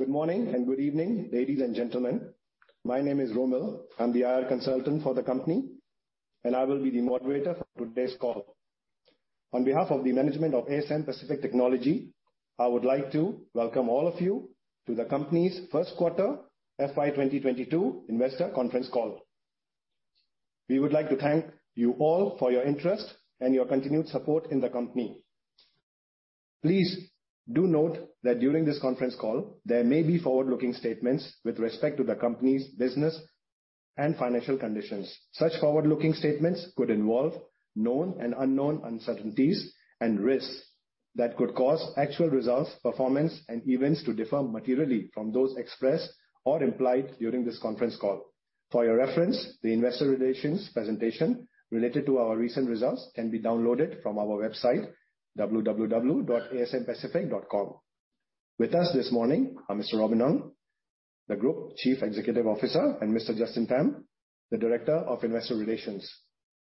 Good morning and good evening, ladies and gentlemen. My name is Romil. I'm the IR consultant for the company, and I will be the moderator for today's call. On behalf of the management of ASM Pacific Technology, I would like to welcome all of you to the company's first quarter FY 2022 investor conference call. We would like to thank you all for your interest and your continued support in the company. Please do note that during this conference call, there may be forward-looking statements with respect to the company's business and financial conditions. Such forward-looking statements could involve known and unknown uncertainties and risks that could cause actual results, performance and events to differ materially from those expressed or implied during this conference call. For your reference, the investor relations presentation related to our recent results can be downloaded from our website, www.asmpt.com. With us this morning are Mr. Robin Ng, the Group Chief Executive Officer, and Mr. Justin Tham, the Director of Investor Relations.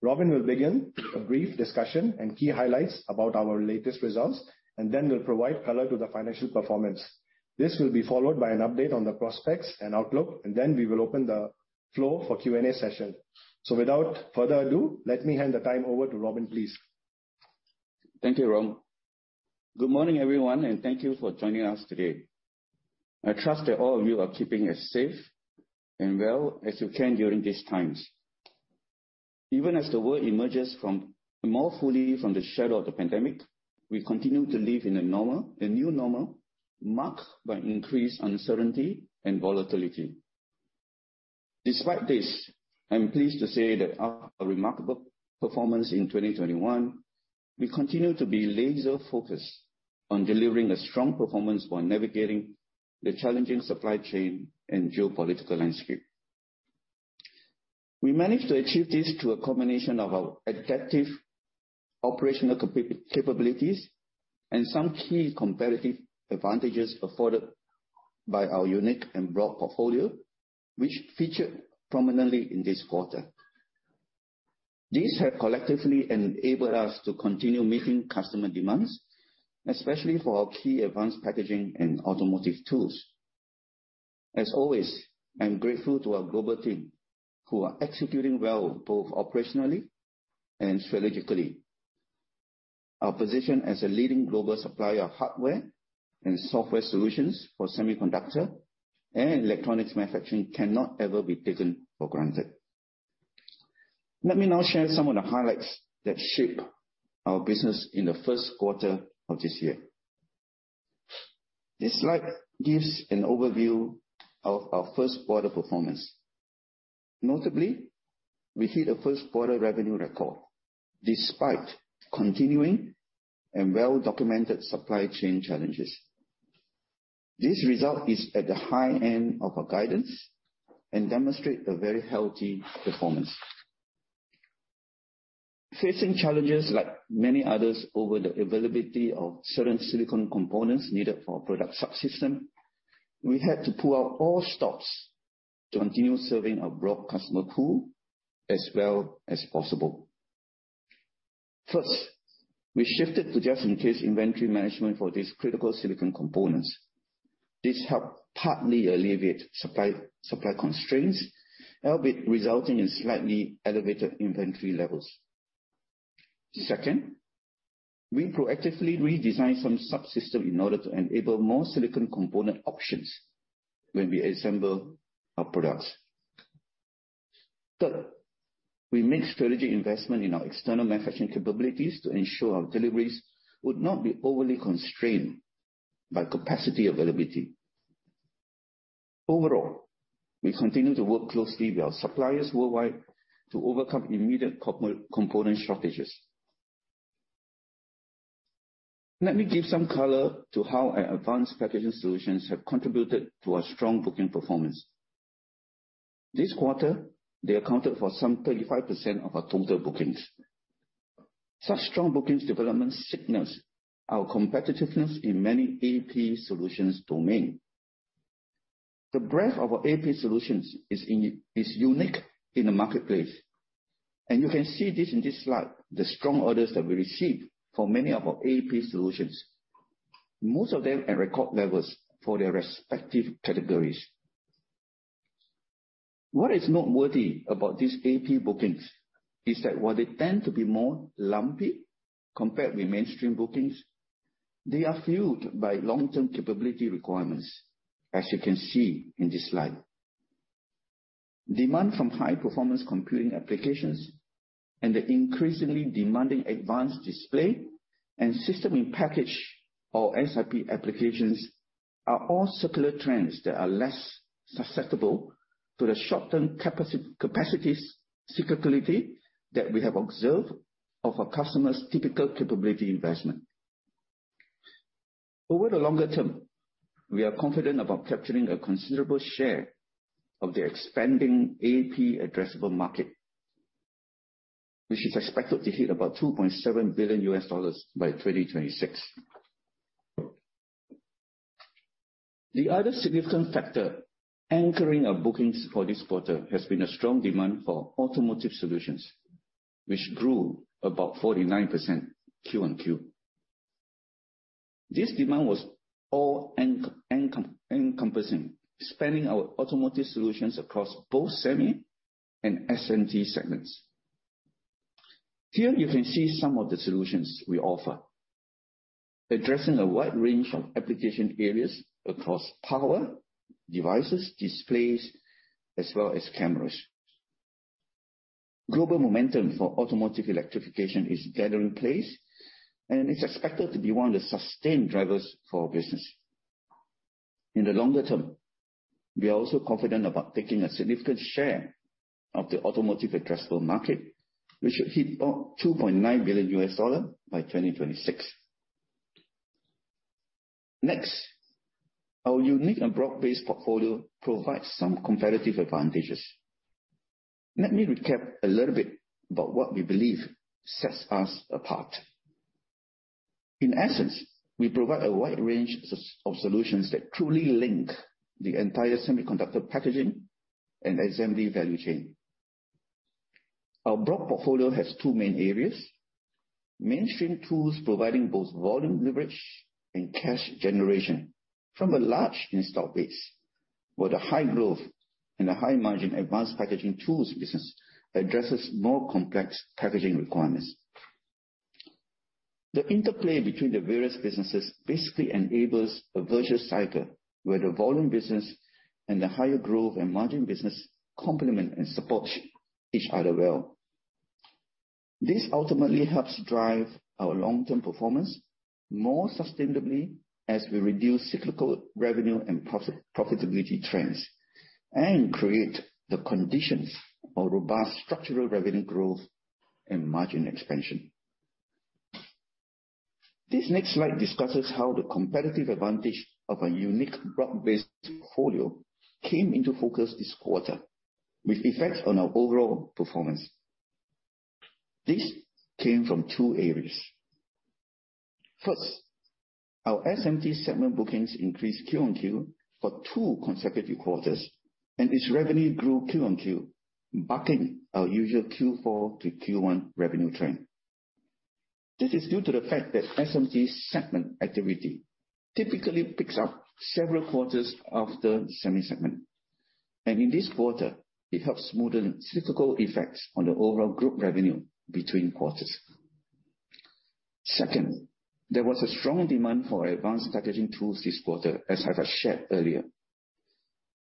Robin will begin a brief discussion and key highlights about our latest results, and then will provide color to the financial performance. This will be followed by an update on the prospects and outlook, and then we will open the floor for Q&A session. Without further ado, let me hand the time over to Robin, please. Thank you, Rom. Good morning, everyone, and thank you for joining us today. I trust that all of you are keeping as safe and well as you can during these times. Even as the world emerges more fully from the shadow of the pandemic, we continue to live in a new normal marked by increased uncertainty and volatility. Despite this, I am pleased to say that our remarkable performance in 2021. We continue to be laser focused on delivering a strong performance while navigating the challenging supply chain and geopolitical landscape. We managed to achieve this through a combination of our adaptive operational capabilities and some key competitive advantages afforded by our unique and broad portfolio, which featured prominently in this quarter. These have collectively enabled us to continue meeting customer demands, especially for our key advanced packaging and automotive tools. As always, I am grateful to our global team who are executing well, both operationally and strategically. Our position as a leading global supplier of hardware and software solutions for semiconductor and electronics manufacturing cannot ever be taken for granted. Let me now share some of the highlights that shape our business in the first quarter of this year. This slide gives an overview of our first quarter performance. Notably, we hit a first quarter revenue record despite continuing and well-documented supply chain challenges. This result is at the high end of our guidance and demonstrate a very healthy performance. Facing challenges like many others over the availability of certain silicon components needed for our product subsystem, we had to pull out all stops to continue serving our broad customer pool as well as possible. First, we shifted to just in case inventory management for these critical silicon components. This helped partly alleviate supply constraints, albeit resulting in slightly elevated inventory levels. Second, we proactively redesigned some subsystems in order to enable more silicon component options when we assemble our products. Third, we made strategic investment in our external manufacturing capabilities to ensure our deliveries would not be overly constrained by capacity availability. Overall, we continue to work closely with our suppliers worldwide to overcome immediate component shortages. Let me give some color to how our advanced packaging solutions have contributed to our strong booking performance. This quarter, they accounted for some 35% of our total bookings. Such strong bookings development signals our competitiveness in many AP solutions domain. The breadth of our AP solutions is unique in the marketplace, and you can see this in this slide, the strong orders that we received for many of our AP solutions. Most of them at record levels for their respective categories. What is noteworthy about these AP bookings is that while they tend to be more lumpy compared with mainstream bookings, they are fueled by long-term capability requirements, as you can see in this slide. Demand from high-performance computing applications and the increasingly demanding advanced display and system-in-package or SIP applications are all secular trends that are less susceptible to the short-term capacities cyclicality that we have observed of our customers' typical capability investment. Over the longer term, we are confident about capturing a considerable share of the expanding AP addressable market, which is expected to hit about $2.7 billion by 2026. The other significant factor anchoring our bookings for this quarter has been a strong demand for automotive solutions, which grew about 49% Q-on-Q. This demand was all encompassing, expanding our automotive solutions across both Semi and SMT segments. Here you can see some of the solutions we offer, addressing a wide range of application areas across power devices, displays, as well as cameras. Global momentum for automotive electrification is gathering pace, and it's expected to be one of the sustained drivers for our business. In the longer term, we are also confident about taking a significant share of the automotive addressable market, which should hit about $2.9 billion by 2026. Next, our unique and broad-based portfolio provides some competitive advantages. Let me recap a little bit about what we believe sets us apart. In essence, we provide a wide range of solutions that truly link the entire semiconductor packaging and assembly value chain. Our broad portfolio has two main areas. Mainstream tools providing both volume leverage and cash generation from a large installed base, where the high growth and the high margin advanced packaging tools business addresses more complex packaging requirements. The interplay between the various businesses basically enables a virtuous cycle where the volume business and the higher growth and margin business complement and support each other well. This ultimately helps drive our long-term performance more sustainably as we reduce cyclical revenue and profitability trends and create the conditions for robust structural revenue growth and margin expansion. This next slide discusses how the competitive advantage of a unique broad-based portfolio came into focus this quarter with effects on our overall performance. This came from two areas. First, our SMT segment bookings increased Q-on-Q for two consecutive quarters, and its revenue grew Q-on-Q, bucking our usual Q4 to Q1 revenue trend. This is due to the fact that SMT segment activity typically picks up several quarters after the Semi segment, and in this quarter, it helped smoothen cyclical effects on the overall group revenue between quarters. Second, there was a strong demand for advanced packaging tools this quarter, as I have shared earlier.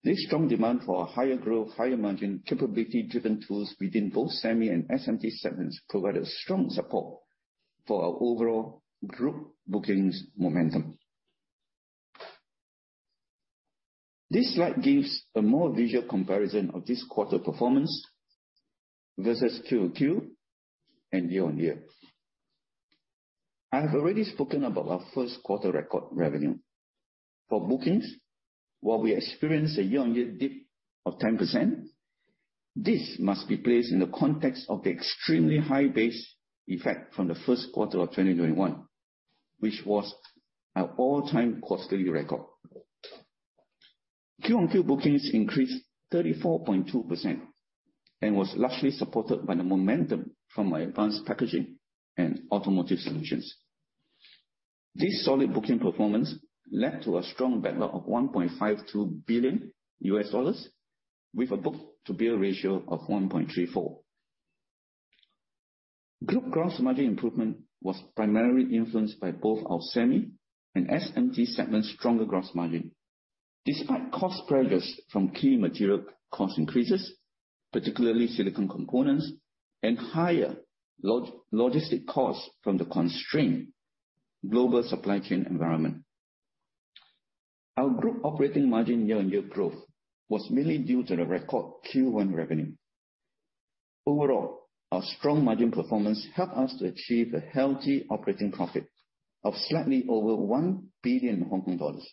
This strong demand for higher growth, higher margin capability-driven tools within both Semi and SMT segments provided strong support for our overall group bookings momentum. This slide gives a more visual comparison of this quarter performance versus QOQ and year-on-year. I have already spoken about our first quarter record revenue. For bookings, while we experienced a year-on-year dip of 10%, this must be placed in the context of the extremely high base effect from the first quarter of 2021, which was our all-time quarterly record. Q-on-Q bookings increased 34.2% and was largely supported by the momentum from our advanced packaging and automotive solutions. This solid booking performance led to a strong backlog of $1.52 billion with a book-to-bill ratio of 1.34. Group gross margin improvement was primarily influenced by both our Semi and SMT segment's stronger gross margin, despite cost pressures from key material cost increases, particularly silicon components and higher logistics costs from the constrained global supply chain environment. Our group operating margin year-on-year growth was mainly due to the record Q1 revenue. Overall, our strong margin performance helped us to achieve a healthy operating profit of slightly over 1 billion Hong Kong dollars.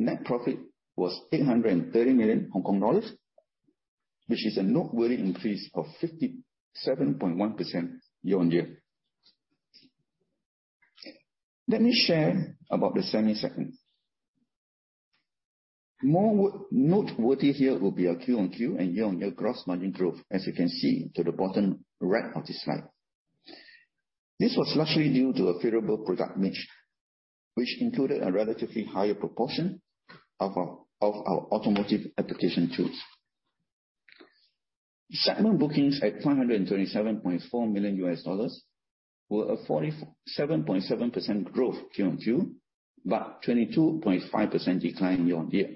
Net profit was 830 million Hong Kong dollars, which is a noteworthy increase of 57.1% year-on-year. Let me share about the Semi segment. More noteworthy here will be our QoQ and year-on-year gross margin growth, as you can see to the bottom right of this slide. This was largely due to a favorable product mix, which included a relatively higher proportion of our automotive application tools. Segment bookings at $527.4 million were a 47.7% growth QoQ, but 22.5% decline year-on-year.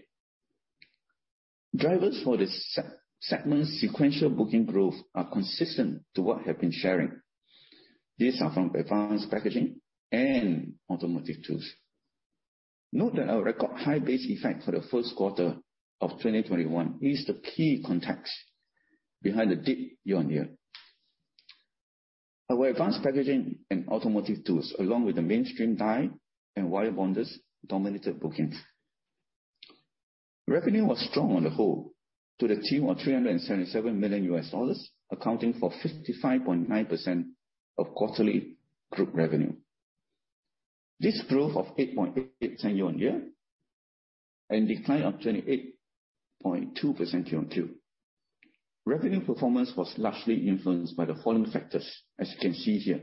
Drivers for the segment's sequential booking growth are consistent to what I've been sharing. These are from advanced packaging and automotive tools. Note that our record high base effect for the first quarter of 2021 is the key context behind the dip year-on-year. Our advanced packaging and automotive tools, along with the mainstream die bonders and wire bonders, dominated bookings. Revenue was strong on the whole to the tune of $377 million, accounting for 55.9% of quarterly group revenue. This growth of 8.88% year-over-year and decline of 28.2% QoQ. Revenue performance was largely influenced by the following factors, as you can see here.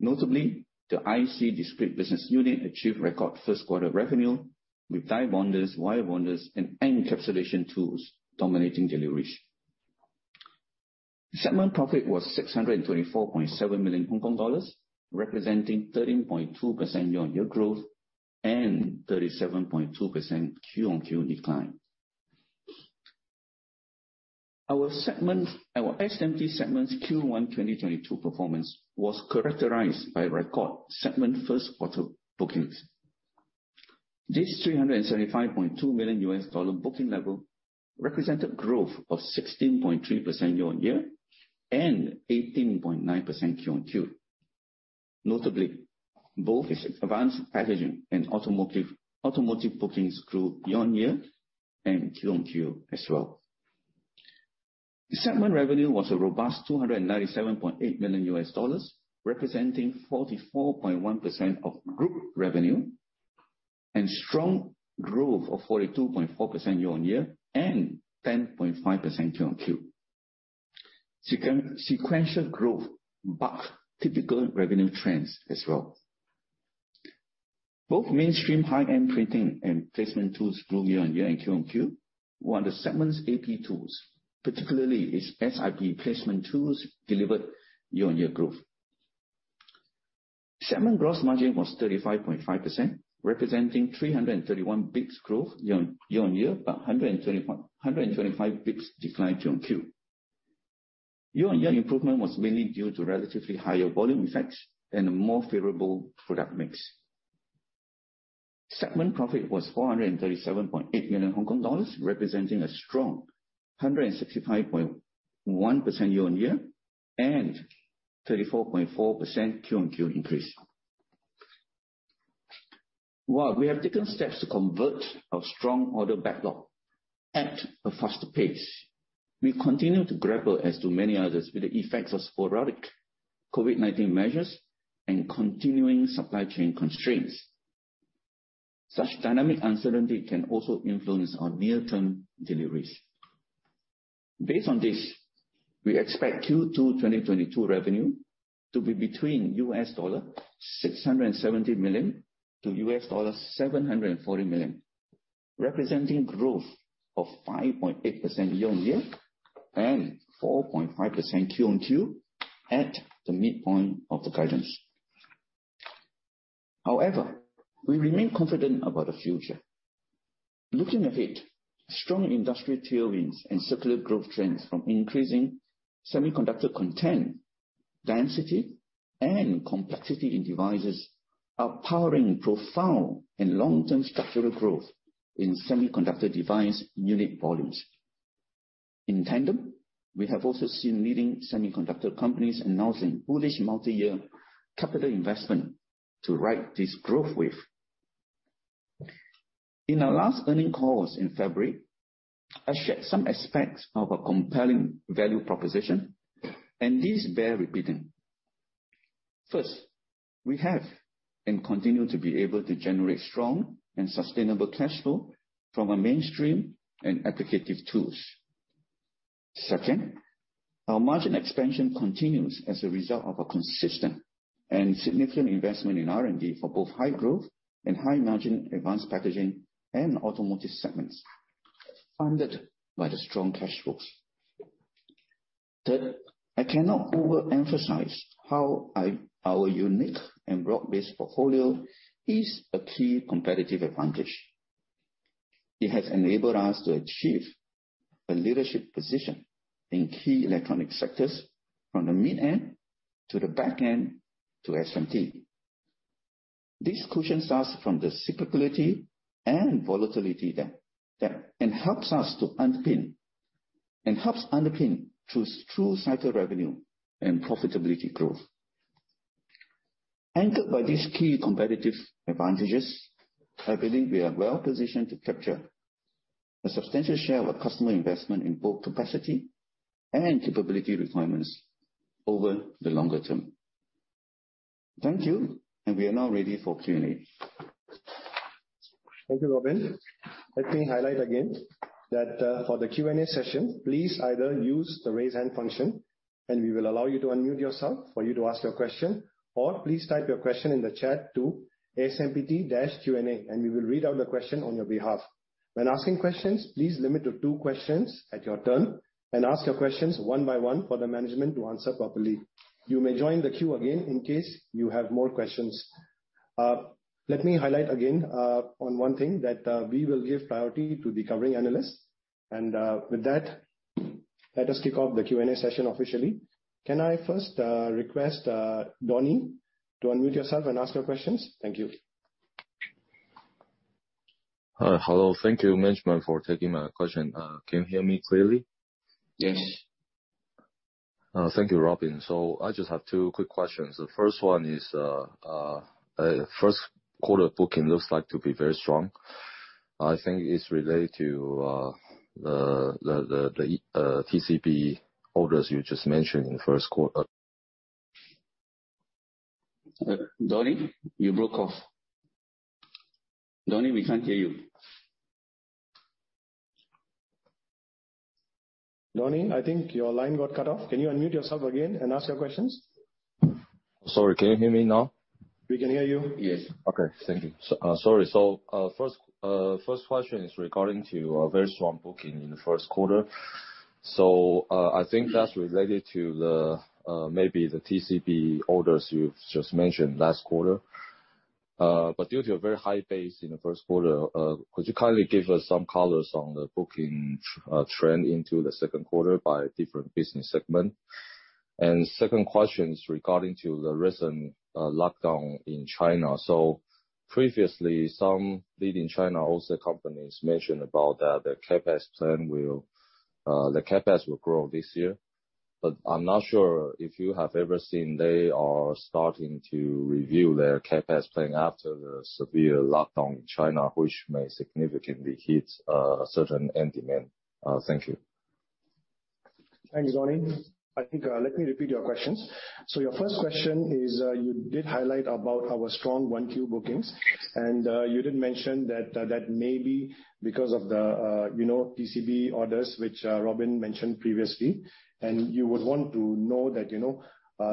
Notably, the IC/Discrete business unit achieved record first quarter revenue with die bonders, wire bonders and encapsulation tools dominating deliveries. Segment profit was 624.7 million Hong Kong dollars, representing 13.2% year-over-year growth and 37.2% QoQ decline. Our SMT segment's Q1 2022 performance was characterized by record segment first quarter bookings. This $375.2 million booking level represented growth of 16.3% year-over-year and 18.9% QoQ. Notably, both its advanced packaging and automotive bookings grew year-over-year and quarter-over-quarter as well. The segment revenue was a robust $297.8 million, representing 44.1% of group revenue and strong growth of 42.4% year-over-year and 10.5% quarter-over-quarter. Sequential growth bucked typical revenue trends as well. Both mainstream high-end printing and placement tools grew year-over-year and quarter-over-quarter were the segments AP tools, particularly its SiP placement tools delivered year-over-year growth. Segment gross margin was 35.5%, representing 331 basis points growth year-over-year, but 125 basis points decline quarter-over-quarter. Year-over-year improvement was mainly due to relatively higher volume effects and a more favorable product mix. Segment profit was 437.8 million Hong Kong dollars, representing a strong 165.1% year-over-year and 34.4% QoQ increase. While we have taken steps to convert our strong order backlog at a faster pace, we continue to grapple, as do many others, with the effects of sporadic COVID-19 measures and continuing supply chain constraints. Such dynamic uncertainty can also influence our near-term deliveries. Based on this, we expect Q2 2022 revenue to be between $670 million and $740 million, representing growth of 5.8% year-over-year and 4.5% QoQ at the midpoint of the guidance. However, we remain confident about the future. Looking ahead, strong industrial tailwinds and secular growth trends from increasing semiconductor content, density and complexity in devices are powering profound and long-term structural growth in semiconductor device unit volumes. In tandem, we have also seen leading semiconductor companies announcing bullish multi-year capital investment to ride this growth wave. In our last earnings calls in February, I shared some aspects of a compelling value proposition, and these bear repeating. First, we have and continue to be able to generate strong and sustainable cash flow from our mainstream and advanced tools. Second, our margin expansion continues as a result of a consistent and significant investment in R&D for both high growth and high margin advanced packaging and automotive segments, funded by the strong cash flows. Third, I cannot overemphasize how our unique and broad-based portfolio is a key competitive advantage. It has enabled us to achieve a leadership position in key electronics sectors from the mid-end to the back-end to SMT. This cushions us from the cyclicality and volatility and helps us to underpin through-cycle revenue and profitability growth. Anchored by these key competitive advantages, I believe we are well positioned to capture a substantial share of our customer investment in both capacity and capability requirements over the longer term. Thank you. We are now ready for Q&A. Thank you, Robin. Let me highlight again that, for the Q&A session, please either use the raise hand function, and we will allow you to unmute yourself for you to ask your question, or please type your question in the chat to ASMPT-Q&A, and we will read out the question on your behalf. When asking questions, please limit to two questions at your turn and ask your questions one by one for the management to answer properly. You may join the queue again in case you have more questions. Let me highlight again, on one thing, that, we will give priority to the covering analysts. With that, let us kick off the Q&A session officially. Can I first, request, Donnie to unmute yourself and ask your questions? Thank you. Hi. Hello. Thank you, management, for taking my question. Can you hear me clearly? Yes. Thank you, Robin. I just have two quick questions. The first one is, first quarter booking looks like to be very strong. I think it's related to the TCB orders you just mentioned in the first quarter. Donnie, you broke off. Donnie, we can't hear you. Donnie, I think your line got cut off. Can you unmute yourself again and ask your questions? Sorry. Can you hear me now? We can hear you. Yes. Okay. Thank you. Sorry. First question is regarding our very strong booking in the first quarter. I think that's related to maybe the TCB orders you've just mentioned last quarter. Due to a very high base in the first quarter, could you kindly give us some colors on the booking trend into the second quarter by different business segment? Second question is regarding the recent lockdown in China. Previously, some leading Chinese OSAT companies mentioned that their CapEx plan will grow this year, but I'm not sure if you have ever seen that they are starting to review their CapEx plan after the severe lockdown in China, which may significantly hit certain end demand. Thank you. Thanks, Donnie. I think, let me repeat your questions. Your first question is, you did highlight about our strong 1Q bookings, and, you did mention that may be because of the, you know, TCB orders, which, Robin mentioned previously. And you would want to know that, you know,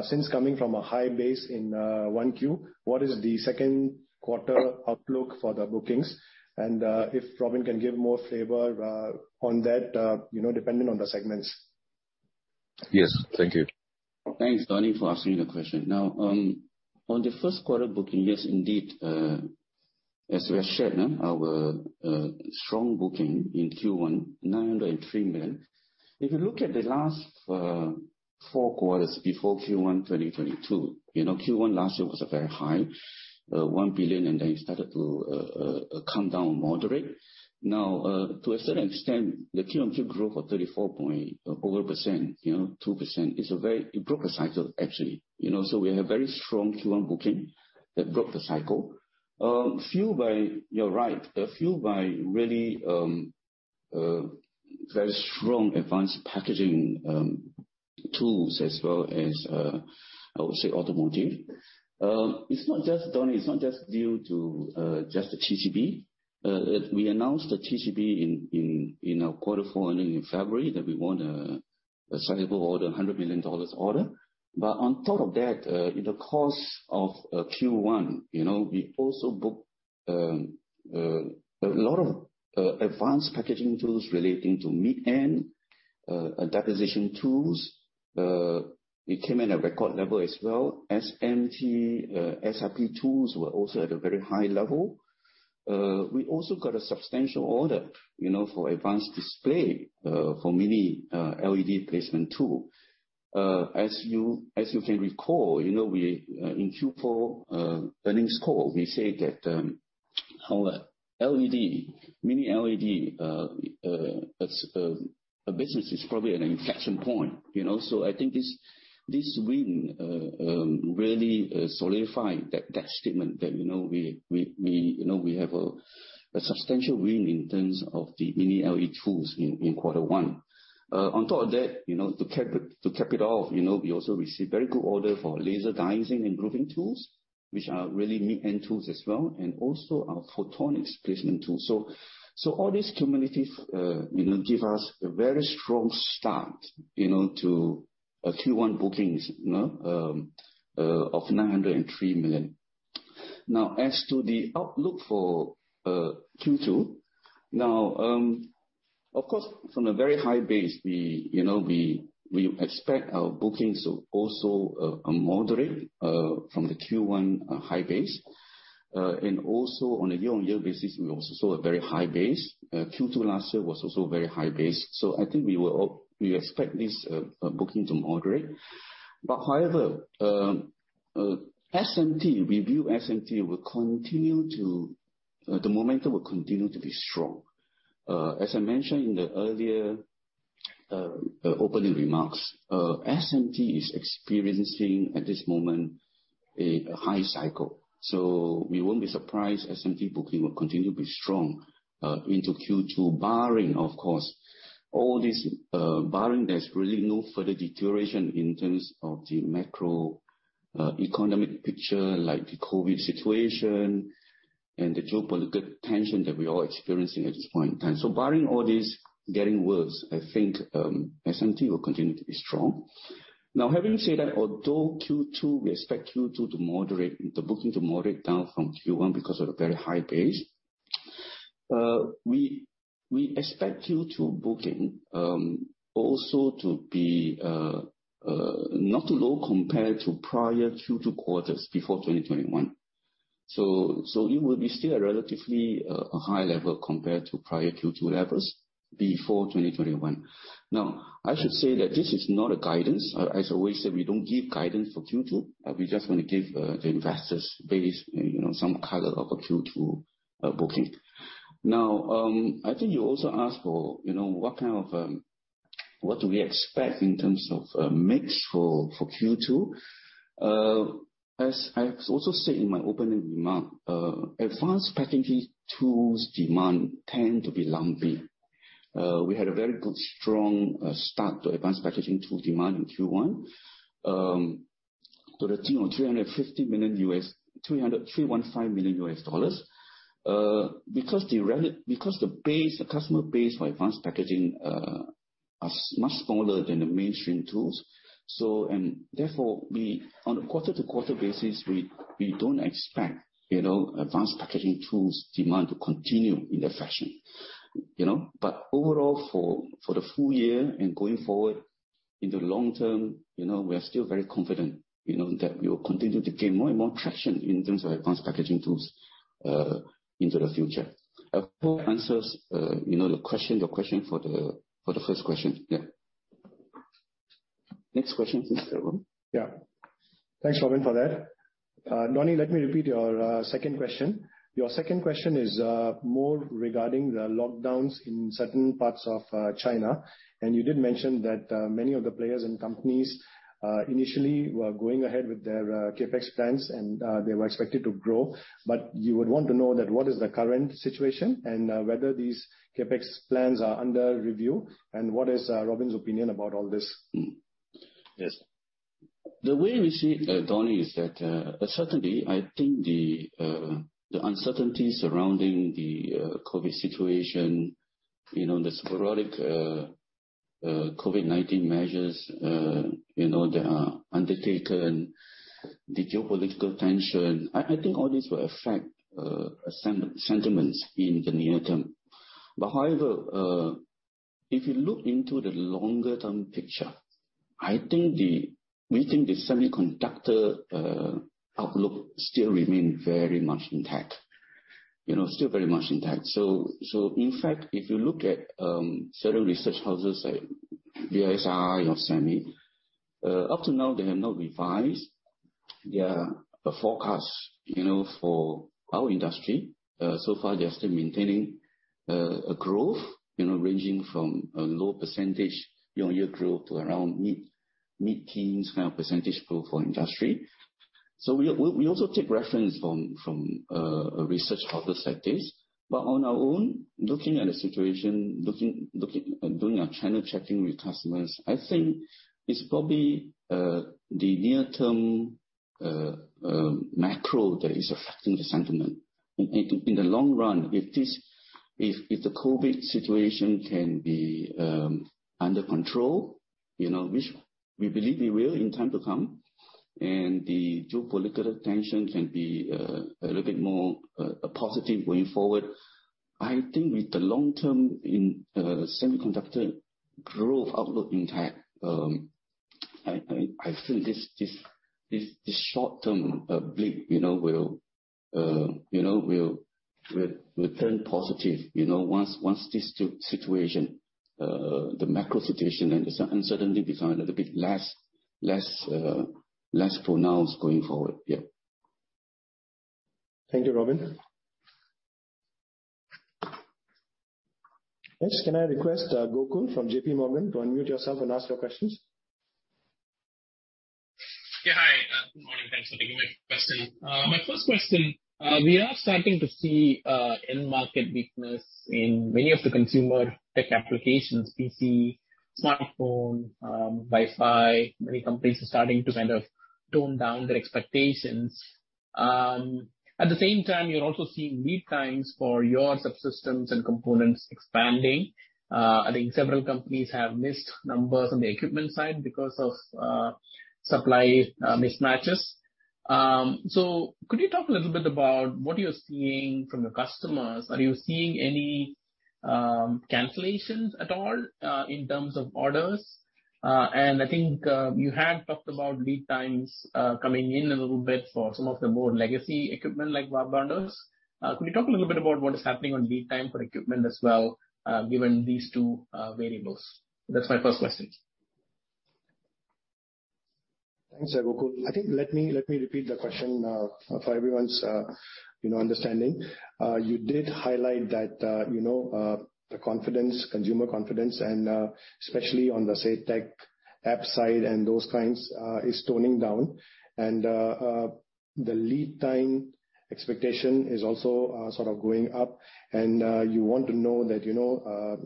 since coming from a high base in, 1Q, what is the second quarter outlook for the bookings? And, if Robin can give more flavor, on that, you know, depending on the segments. Yes. Thank you. Thanks, Donnie, for asking the question. Now, on the first quarter booking, yes, indeed, as we have shared, our strong booking in Q1, 903 million. If you look at the last four quarters before Q1 2022, you know, Q1 last year was a very high 1 billion, and then it started to calm down, moderate. Now, to a certain extent, the QoQ growth of 34% over two percent, you know, is very, it broke a cycle, actually. You know, so we have very strong Q1 booking that broke the cycle, fueled by, you're right, really very strong advanced packaging tools as well as, I would say automotive. It's not just, Donnie, due to just the TCB. We announced the TCB in our quarter four ending in February that we won a sizable order, $100 million order. On top of that, in the course of Q1, you know, we also booked a lot of advanced packaging tools relating to mid-end deposition tools. It came in at a record level as well. SMT XRP tools were also at a very high level. We also got a substantial order, you know, for advanced display for Mini LED placement tool. As you can recall, you know, we in Q4 earnings call said that our LED, Mini LED as a business is probably an inflection point, you know. I think this win really solidified that statement that you know we have a substantial win in terms of the Mini LED tools in quarter one. On top of that, you know, to cap it off, you know, we also received very good order for laser dicing and grooving tools, which are really mid-end tools as well, and also our photonics placement tools. All this cumulative you know give us a very strong start you know to Q1 bookings you know of 903 million. Now, as to the outlook for Q2, now, of course, from a very high base, we you know expect our bookings to also moderate from the Q1 high base. Also on a year-on-year basis, we also saw a very high base. Q2 last year was also a very high base. We expect this booking to moderate. SMT, we view the momentum will continue to be strong. As I mentioned in the opening remarks, SMT is experiencing, at this moment, a high cycle. We won't be surprised SMT booking will continue to be strong into Q2, barring, of course, all this, there's really no further deterioration in terms of the macroeconomic picture like the COVID situation and the geopolitical tension that we're all experiencing at this point in time. Barring all this getting worse, I think SMT will continue to be strong. Now, having said that, although Q2, we expect Q2 to moderate, the booking to moderate down from Q1 because of the very high base, we expect Q2 booking also to be not too low compared to prior Q2 quarters before 2021. It will be still a relatively high level compared to prior Q2 levels before 2021. I should say that this is not a guidance. As I always say, we don't give guidance for Q2. We just wanna give the investors a base, you know, some color on a Q2 booking. I think you also asked for, you know, what kind of—What do we expect in terms of mix for Q2? As I also said in my opening remark, advanced packaging tools demand tend to be lumpy. We had a very good strong start to advanced packaging tool demand in Q1 to the tune of $315 million. Because the base, the customer base for advanced packaging are much smaller than the mainstream tools. Therefore we, on a quarter-to-quarter basis, we don't expect, you know, advanced packaging tools demand to continue in that fashion, you know. But overall for the full year and going forward in the long term, you know, we are still very confident, you know, that we will continue to gain more and more traction in terms of advanced packaging tools into the future. I hope answers the question for the first question. Yeah. Next question please, Rom. Yeah. Thanks, Robin, for that. Donnie, let me repeat your second question. Your second question is more regarding the lockdowns in certain parts of China. You did mention that many of the players and companies initially were going ahead with their CapEx plans and they were expected to grow. But you would want to know what the current situation is and whether these CapEx plans are under review and what Robin's opinion about all this is? Yes. The way we see it, Donnie, is that certainly I think the uncertainty surrounding the COVID situation, you know, the sporadic COVID-19 measures, you know, that are undertaken, the geopolitical tension, I think all these will affect sentiments in the near term. However, if you look into the longer term picture, we think the semiconductor outlook still remain very much intact. You know, still very much intact. In fact, if you look at certain research houses like BSR or Semi, up to now they have not revised their forecast, you know, for our industry. So far they're still maintaining a growth, you know, ranging from a low percentage year-on-year growth to around mid-teens kind of percentage growth for industry. We also take reference from a research for the sectors. On our own, looking at the situation, doing our channel checking with customers, I think it's probably macro that is affecting the sentiment. In the long run, if the COVID situation can be under control, you know, which we believe we will in time to come, and the geopolitical tension can be a little bit more positive going forward, I think with the long-term semiconductor growth outlook intact, I think this short-term blip, you know, will turn positive, you know, once this situation, the macro situation and the uncertainty become a little bit less pronounced going forward. Yeah. Thank you, Robin. Next, can I request, Gokul from J.P. Morgan to unmute yourself and ask your questions? Yeah. Hi. Morning. Thanks for taking my question. My first question, we are starting to see end market weakness in many of the consumer tech applications, PC, smartphone, Wi-Fi. Many companies are starting to kind of tone down their expectations. At the same time, you're also seeing lead times for your subsystems and components expanding. I think several companies have missed numbers on the equipment side because of supply mismatches. Could you talk a little bit about what you're seeing from your customers? Are you seeing any cancellations at all in terms of orders? I think you had talked about lead times coming in a little bit for some of the more legacy equipment like bonders. Could you talk a little bit about what is happening on lead time for equipment as well, given these two variables? That's my first question. Thanks, Gokul. I think let me repeat the question for everyone's you know understanding. You did highlight that you know the confidence consumer confidence and especially on the tech cap side and those kinds is toning down. The lead time expectation is also sort of going up and you want to know that you know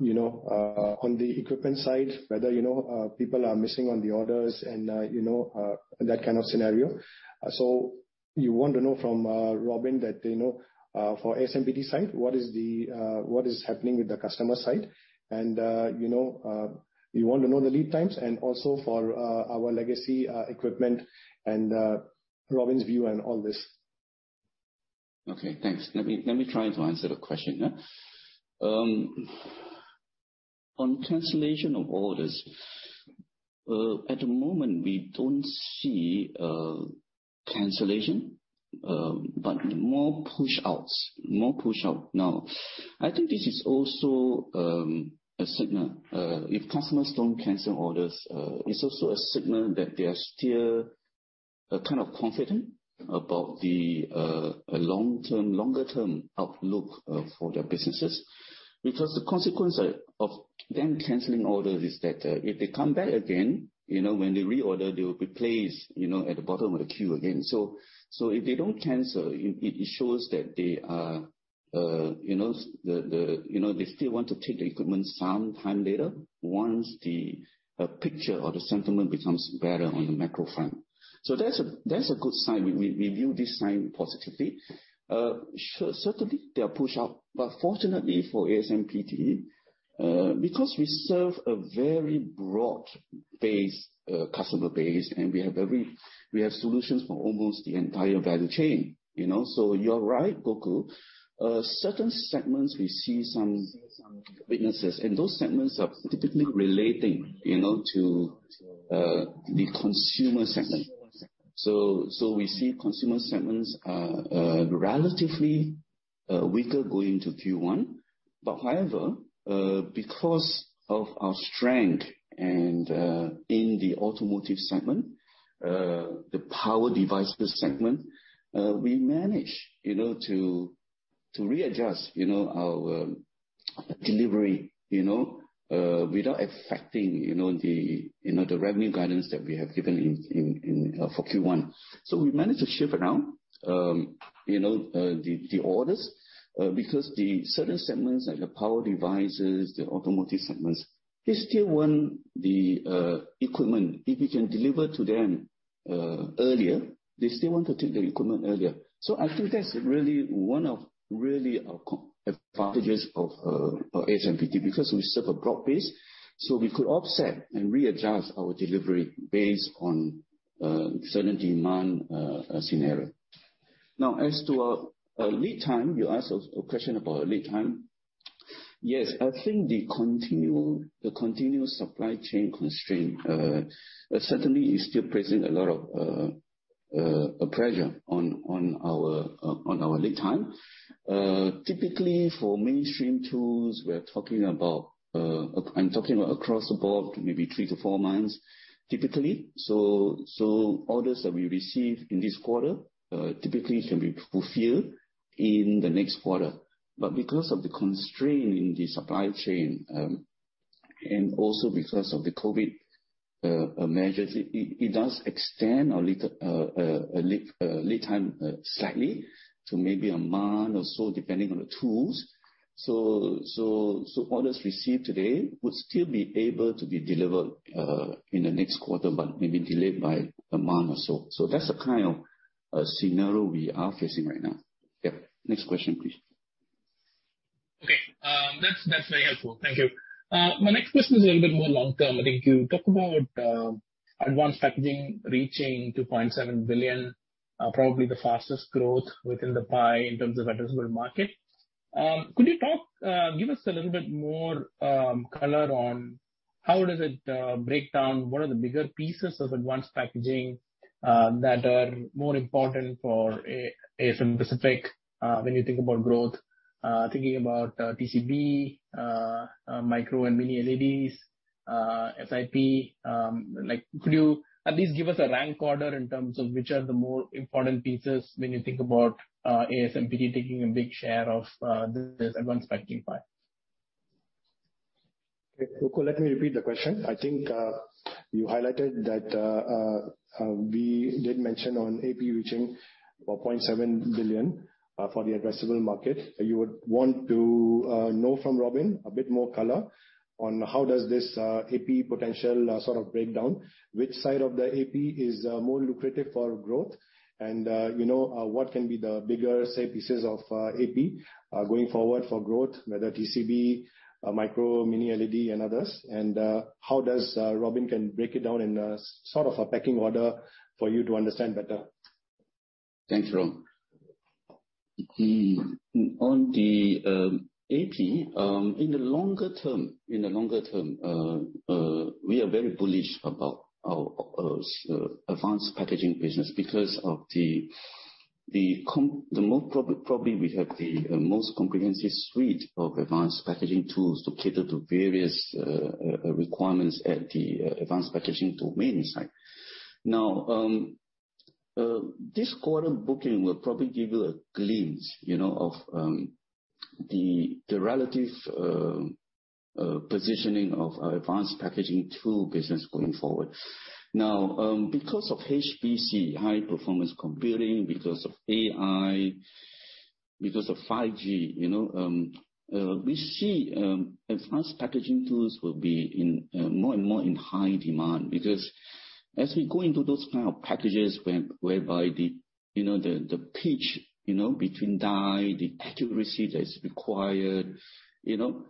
you know on the equipment side whether you know people are missing on the orders and you know that kind of scenario. You want to know from Robin that, you know, for ASMPT side, what is happening with the customer side and, you know, you want to know the lead times and also for our legacy equipment and Robin's view on all this. Okay, thanks. Let me try to answer the question, yeah. On cancellation of orders, at the moment we don't see cancellation, but more push outs. Now, I think this is also a signal. If customers don't cancel orders, it's also a signal that they are kind of confident about the longer term outlook for their businesses. Because the consequences of them canceling orders is that, if they come back again, you know, when they reorder, they will be placed at the bottom of the queue again. So if they don't cancel, it shows that they are, you know, they still want to take the equipment some time later once the picture or the sentiment becomes better on the macro front. That's a good sign. We view this sign positively. Sure, certainly they'll push out. Fortunately for ASMPT, because we serve a very broad customer base, and we have solutions for almost the entire value chain, you know. You're right, Gokul. Certain segments we see some weaknesses. Those segments are typically relating to the consumer segment. We see consumer segments are relatively weaker going into Q1. However, because of our strength in the automotive segment, the power devices segment, we manage to readjust our delivery without affecting the revenue guidance that we have given for Q1. We managed to shift around, you know, the orders. Because certain segments like the power devices, the automotive segments, they still want the equipment. If we can deliver to them earlier, they still want to take the equipment earlier. I think that's really one of our advantages of ASMPT, because we serve a broad base, so we could offset and readjust our delivery based on certain demand scenario. Now, as to lead time, you asked a question about lead time. Yes, I think the continuous supply chain constraint certainly is still placing a lot of pressure on our lead time. Typically for mainstream tools, we're talking about across the board, maybe 3-4 months, typically. Orders that we receive in this quarter typically can be fulfilled in the next quarter. Because of the constraint in the supply chain, and also because of the COVID measures, it does extend our lead time slightly to maybe a month or so, depending on the tools. Orders received today would still be able to be delivered in the next quarter, but maybe delayed by a month or so. That's the kind of scenario we are facing right now. Yeah. Next question, please. Okay. That's very helpful. Thank you. My next question is a little bit more long-term. I think you talked about advanced packaging reaching $2.7 billion, probably the fastest growth within the pie in terms of addressable market. Could you talk, give us a little bit more color on how does it break down? What are the bigger pieces of advanced packaging that are more important for ASMPT when you think about growth, thinking about TCB, Micro LED and Mini LED, SIP? Like could you at least give us a rank order in terms of which are the more important pieces when you think about ASMPT taking a big share of this advanced packaging part? Okay. Let me repeat the question. I think you highlighted that we did mention on AP reaching $4.7 billion for the addressable market. You would want to know from Robin a bit more color on how does this AP potential sort of break down, which side of the AP is more lucrative for growth. You know what can be the bigger, say, pieces of AP going forward for growth, whether TCB, Micro LED, Mini LED and others. How does Robin can break it down in a sort of a pecking order for you to understand better. Thanks, Ron. On the AP, in the longer term, we are very bullish about our advanced packaging business because we probably have the most comprehensive suite of advanced packaging tools to cater to various requirements in the advanced packaging tool mainstream. Now, this quarter booking will probably give you a glimpse, you know, of the relative positioning of our advanced packaging tool business going forward. Now, because of HPC, high performance computing, because of AI, because of 5G, you know, we see advanced packaging tools will be in more and more high demand because as we go into those kind of packages, whereby the pitch between die, the accuracy that's required, you know,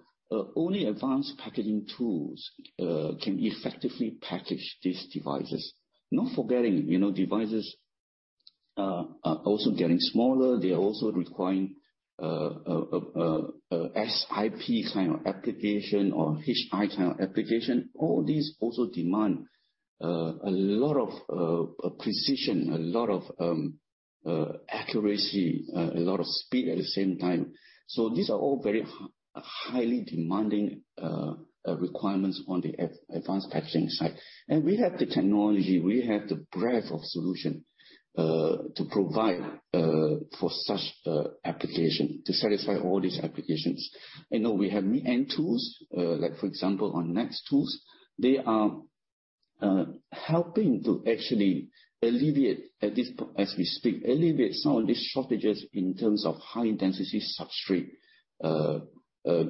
only advanced packaging tools can effectively package these devices. Not forgetting, you know, devices are also getting smaller. They're also requiring a SIP kind of application or HI kind of application. All these also demand a lot of precision, a lot of accuracy, a lot of speed at the same time. These are all very highly demanding requirements on the advanced packaging side. We have the technology, we have the breadth of solution to provide for such application, to satisfy all these applications. I know we have mid-end tools, like for example NEXX tools, they are helping to actually alleviate as we speak some of these shortages in terms of high-density substrate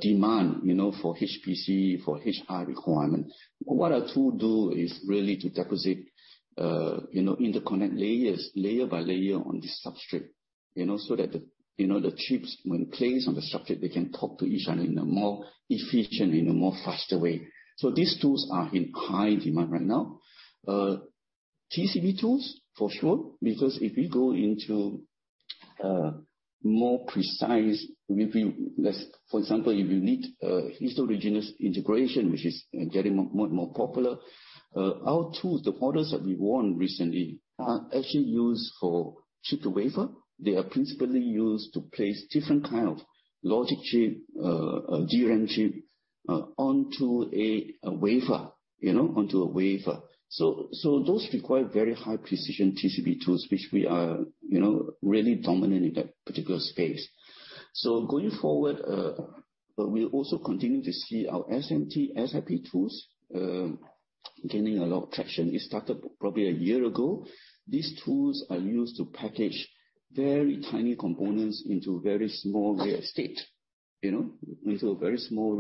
demand, you know, for HPC, for AI requirement. What our tool do is really to deposit, you know, interconnect layers, layer by layer on the substrate, you know, so that the, you know, the chips when placed on the substrate, they can talk to each other in a more efficient, in a more faster way. So these tools are in high demand right now. TCB tools for sure, because if we go into more precise review, let's. For example, if you need heterogeneous integration, which is getting more popular, our tools, the orders that we won recently are actually used for Chip-to-Wafer. They are principally used to place different kind of logic chip, DRAM chip, onto a wafer, you know. Those require very high precision TCB tools, which we are, you know, really dominant in that particular space. Going forward, we'll also continue to see our SMT SiP tools gaining a lot of traction. It started probably a year ago. These tools are used to package very tiny components into very small real estate, you know.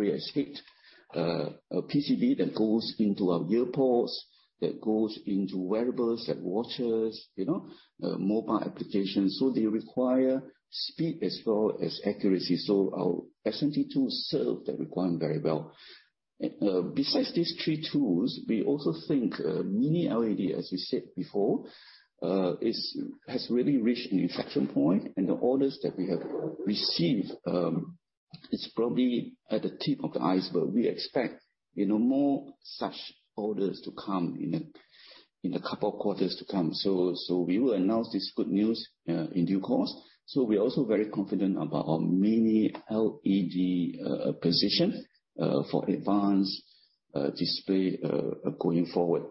A PCB that goes into our earbuds, that goes into wearables, like watches, you know, mobile applications. They require speed as well as accuracy. Our SMT tools serve that requirement very well. Besides these three tools, we also think Mini LED, as we said before, has really reached an inflection point. The orders that we have received is probably at the tip of the iceberg. We expect more such orders to come in a couple of quarters to come. We will announce this good news in due course. We're also very confident about our Mini LED position for advanced display going forward.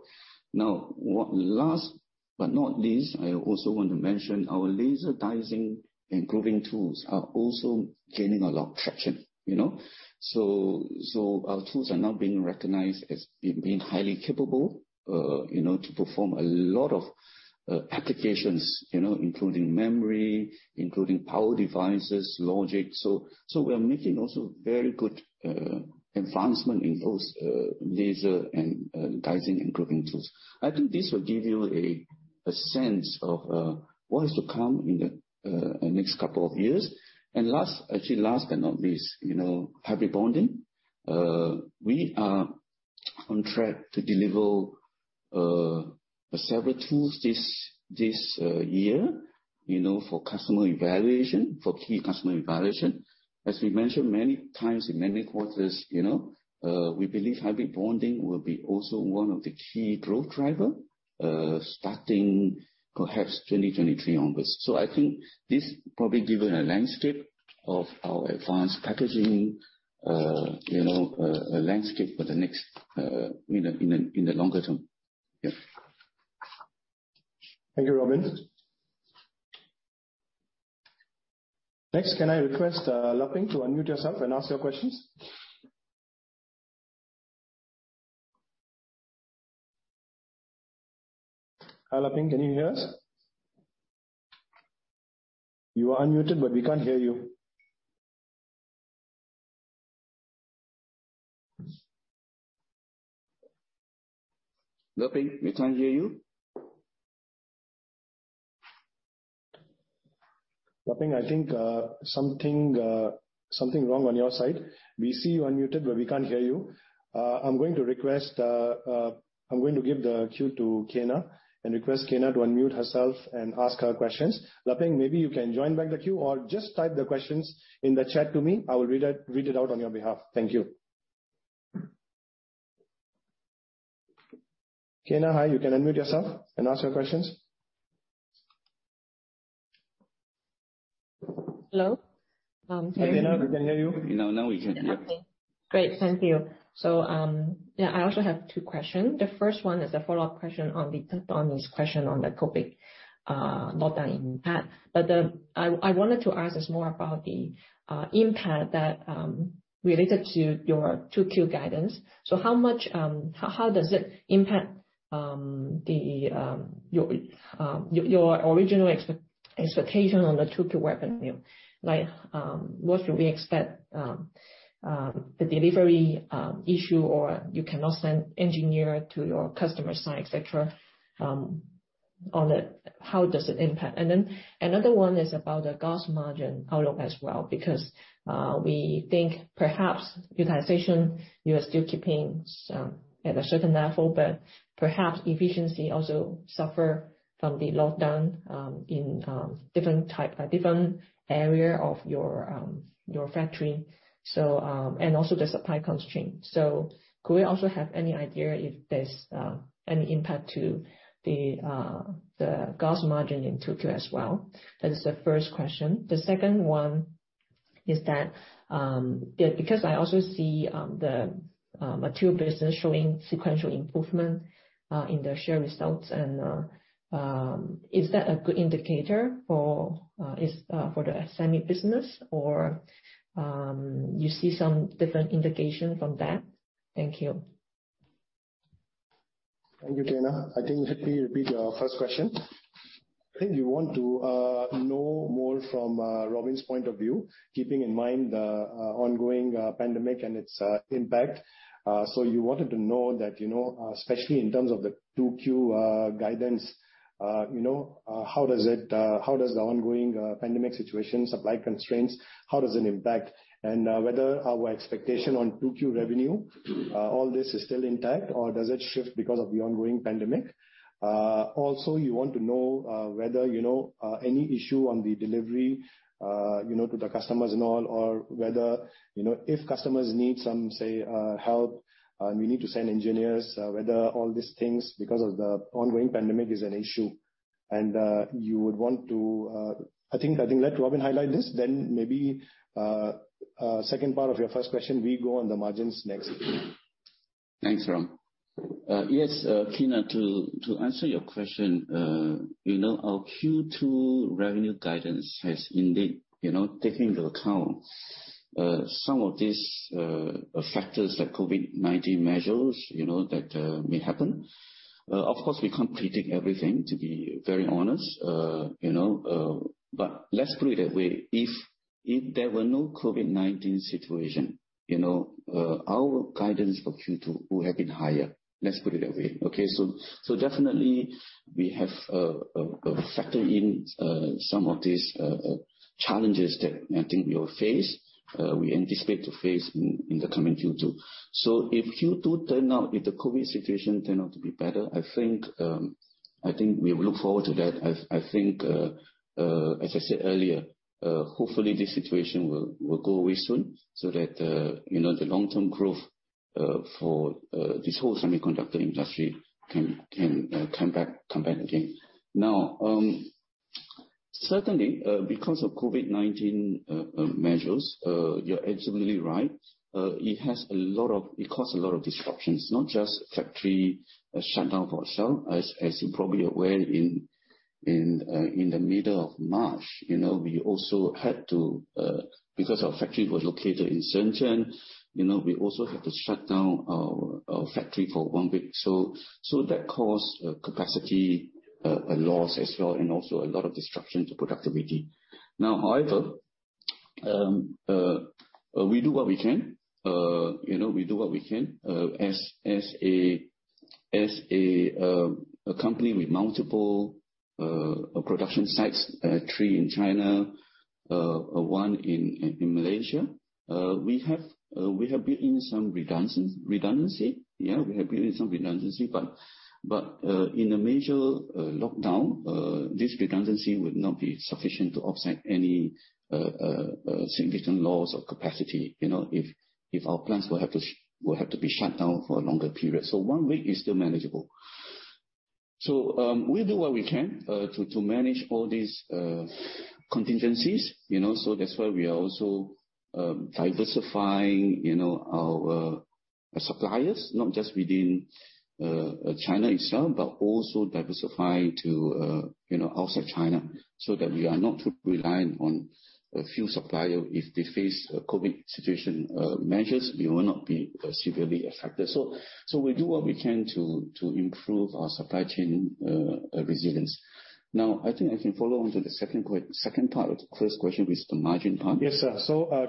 Last but not least, I also want to mention our laser dicing and grooving tools are also gaining a lot of traction. Our tools are now being recognized as being highly capable to perform a lot of applications, you know, including memory, including power devices, logic. We're making also very good advancement in those laser dicing and grooving tools. I think this will give you a sense of what is to come in the next couple of years. Last, actually last but not least, you know, Hybrid Bonding. We are on track to deliver several tools this year, you know, for customer evaluation, for key customer evaluation. As we mentioned many times in many quarters, you know, we believe Hybrid Bonding will be also one of the key growth driver starting perhaps 2023 onwards. I think this probably give you a landscape of our advanced packaging, you know, a landscape for the next, in the longer term. Yeah. Thank you, Robin. Next, can I request Leping to unmute yourself and ask your questions? Hi, Leping, can you hear us? You are unmuted, but we can't hear you. Leping, we can't hear you. Leping, I think something wrong on your side. We see you unmuted, but we can't hear you. I'm going to give the queue to Kyna and request Kyna to unmute herself and ask her questions. Leping, maybe you can join back the queue or just type the questions in the chat to me. I will read it out on your behalf. Thank you. Kyna, hi, you can unmute yourself and ask your questions. Hello? Hey, Kyna, we can hear you. Now we can. Yep. Great. Thank you. Yeah, I also have two questions. The first one is a follow-up question on this question on the COVID lockdown impact. I wanted to ask you more about the impact that related to your 2Q guidance. How much, how does it impact your original expectation on the 2Q revenue? Like, what should we expect, the delivery issue or you cannot send engineer to your customer site, et cetera, how does it impact? And then another one is about the gross margin outlook as well. Because, we think perhaps utilization, you are still keeping at a certain level, but perhaps efficiency also suffer from the lockdown, in different type, different area of your factory. the supply constraint. Could we also have any idea if there's any impact to the gross margin in 2Q as well? That is the first question. The second one is that because I also see the material business showing sequential improvement in their share results and is that a good indicator for the semi business or you see some different indication from that? Thank you. Thank you, Kyna. I think you want to know more from Robin's point of view, keeping in mind the ongoing pandemic and its impact. So you wanted to know that, you know, especially in terms of the 2Q guidance, you know, how does the ongoing pandemic situation, supply constraints, impact it? And whether our expectation on 2Q revenue, all this is still intact or does it shift because of the ongoing pandemic? Also, you want to know whether you know any issue on the delivery, you know, to the customers and all, or whether, you know, if customers need some, say, help, and we need to send engineers, whether all these things because of the ongoing pandemic is an issue, and you would want to. I think let Robin highlight this, then maybe second part of your first question, we go on the margins next. Thanks, Rom. Yes, Kyna, to answer your question, you know, our Q2 revenue guidance has indeed, you know, taken into account some of these factors like COVID-19 measures, you know, that may happen. Of course, we can't predict everything to be very honest, you know, but let's put it that way. If there were no COVID-19 situation, you know, our guidance for Q2 would have been higher. Let's put it that way. Okay? Definitely we have factored in some of these challenges that I think we'll face, we anticipate to face in the coming Q2. If Q2 turn out, if the COVID situation turn out to be better, I think we look forward to that. I think, as I said earlier, hopefully this situation will go away soon so that, you know, the long-term growth for this whole semiconductor industry can come back again. Now, certainly, because of COVID-19 measures, you're absolutely right. It caused a lot of disruptions, not just factory shutdown for itself, as you're probably aware in the middle of March, you know, we also had to, because our factory was located in Shenzhen, you know, we also had to shut down our factory for one week. So that caused a capacity loss as well, and also a lot of disruption to productivity. Now, however, we do what we can, you know, as a company with multiple production sites, three in China, one in Malaysia. We have built in some redundancy. Yeah, we have built in some redundancy, but in a major lockdown, this redundancy would not be sufficient to offset any significant loss of capacity, you know, if our plants will have to be shut down for a longer period. One week is still manageable. We do what we can to manage all these contingencies, you know. That's why we are also diversifying, you know, our suppliers, not just within China itself, but also diversifying to, you know, outside China, so that we are not too reliant on a few suppliers. If they face a COVID situation or measures, we will not be severely affected. We do what we can to improve our supply chain resilience. Now, I think I can follow on to the second part of the first question, which is the margin part. Yes, sir.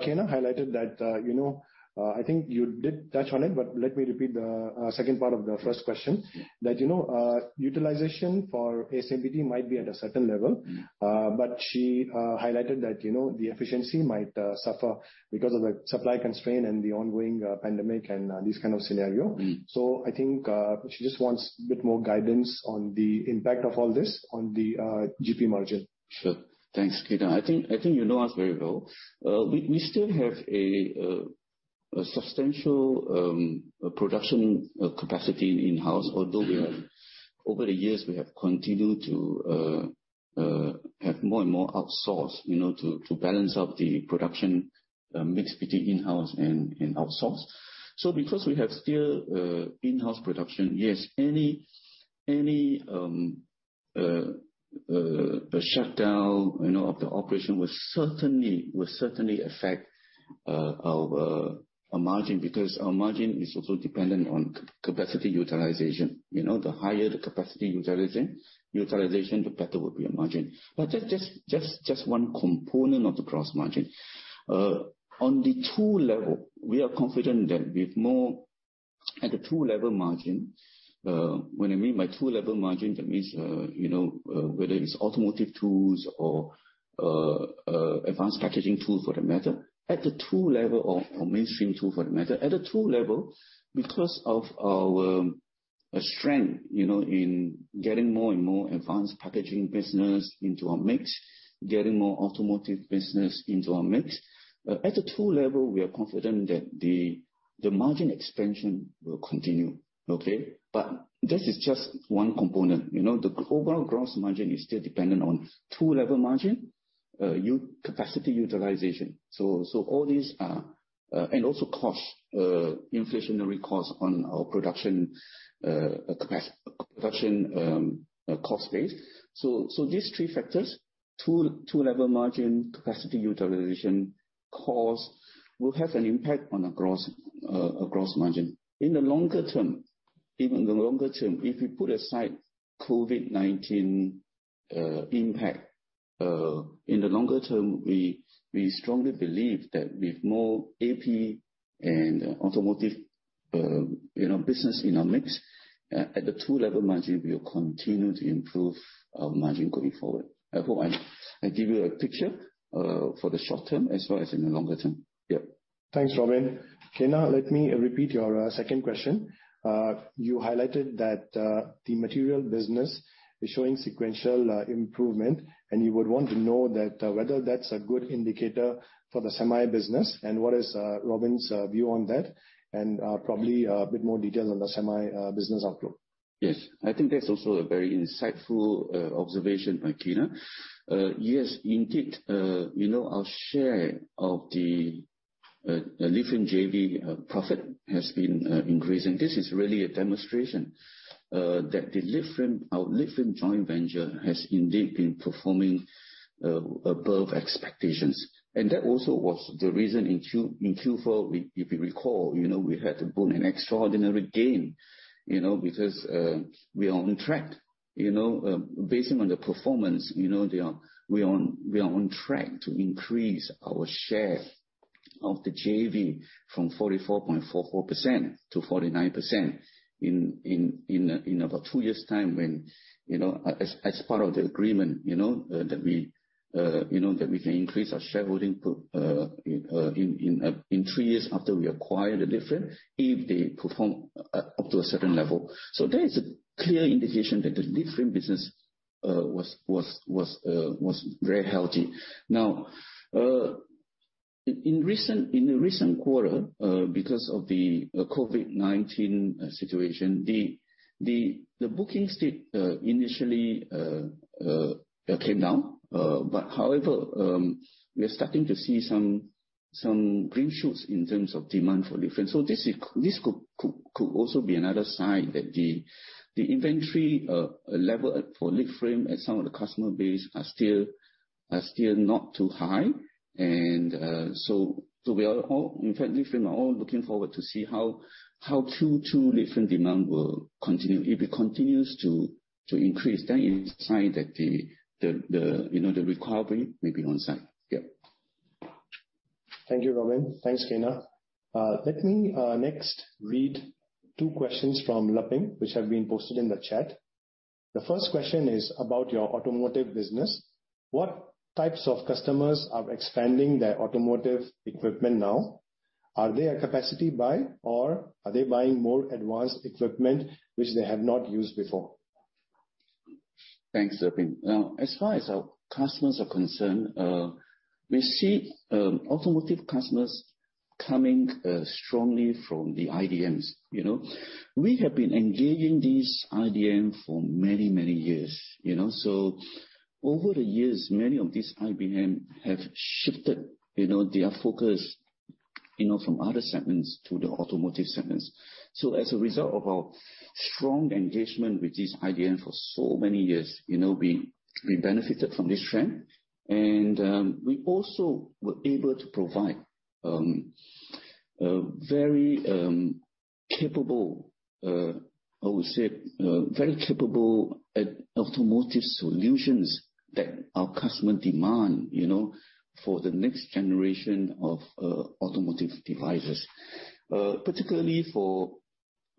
Kyna highlighted that, you know, I think you did touch on it, but let me repeat the second part of the first question. That, you know, utilization for ASMPT might be at a certain level, but she highlighted that, you know, the efficiency might suffer because of the supply constraint and the ongoing pandemic and this kind of scenario. Mm-hmm. I think she just wants a bit more guidance on the impact of all this on the GP margin. Sure. Thanks, Kyna. I think you know us very well. We still have a substantial production capacity in-house, although we have- Mm-hmm. Over the years, we have continued to have more and more outsourced, you know, to balance out the production mix between in-house and outsource. Because we have still in-house production, yes, any shutdown, you know, of the operation will certainly affect our margin because our margin is also dependent on capacity utilization. You know, the higher the capacity utilization, the better will be our margin. But that's just one component of the gross margin. On the tool level, we are confident. At the tool level margin, what I mean by tool level margin, that means, you know, whether it's automotive tools or advanced packaging tool for that matter. At the tool level or mainstream tool for that matter, at the tool level because of our strength, you know, in getting more and more advanced packaging business into our mix, getting more automotive business into our mix. At the tool level, we are confident that the margin expansion will continue, okay? But this is just one component. You know, the overall gross margin is still dependent on tool level margin, capacity utilization. So all these are, and also cost, inflationary costs on our production, capacity production, cost base. So these three factors, tool level margin, capacity utilization, costs will have an impact on our gross margin. In the longer term, if you put aside COVID-19 impact, in the longer term, we strongly believe that with more AP and automotive, you know, business in our mix, at the two level margin, we will continue to improve our margin going forward. I hope I give you a picture for the short term as well as in the longer term. Yeah. Thanks, Robin. Kyna, let me repeat your second question. You highlighted that the material business is showing sequential improvement, and you would want to know whether that's a good indicator for the semi business and what is Robin's view on that and probably a bit more details on the semi business outlook. Yes. I think that's also a very insightful observation by Kyna. Yes, indeed, you know, our share of the Leadframe JV profit has been increasing. This is really a demonstration that the Leadframe, our Leadframe joint venture has indeed been performing above expectations. That also was the reason in Q4, if you recall, you know, we had to book an extraordinary gain, you know, because we are on track. You know, based on the performance, you know, we are on track to increase our share of the JV from 44.44%-49% in about two years time when, you know, as part of the agreement, you know, that we can increase our shareholding in three years after we acquire the Leadframe if they perform up to a certain level. There is a clear indication that the Leadframe business was very healthy. Now, in the recent quarter, because of the COVID-19 situation, the bookings initially came down. But however, we are starting to see some green shoots in terms of demand for Leadframe. This could also be another sign that the inventory level for Leadframe at some of the customer base are still not too high. We are all, in fact, Leadframe are all looking forward to see how Q2 Leadframe demand will continue. If it continues to increase, then it's a sign that the you know the recovery may be in sight. Yeah. Thank you, Robin. Thanks, Kyna. Let me next read two questions from Liping, which have been posted in the chat. The first question is about your automotive business. What types of customers are expanding their automotive equipment now? Are they a capacity buy or are they buying more advanced equipment which they have not used before? Thanks, Liping. Now, as far as our customers are concerned, we see automotive customers coming strongly from the IDMs, you know. We have been engaging these IDM for many, many years, you know. Over the years, many of these IDM have shifted, you know, their focus, you know, from other segments to the automotive segments. As a result of our strong engagement with this IDM for so many years, you know, we benefited from this trend. We also were able to provide a very capable automotive solutions that our customer demand, you know, for the next generation of automotive devices. Particularly for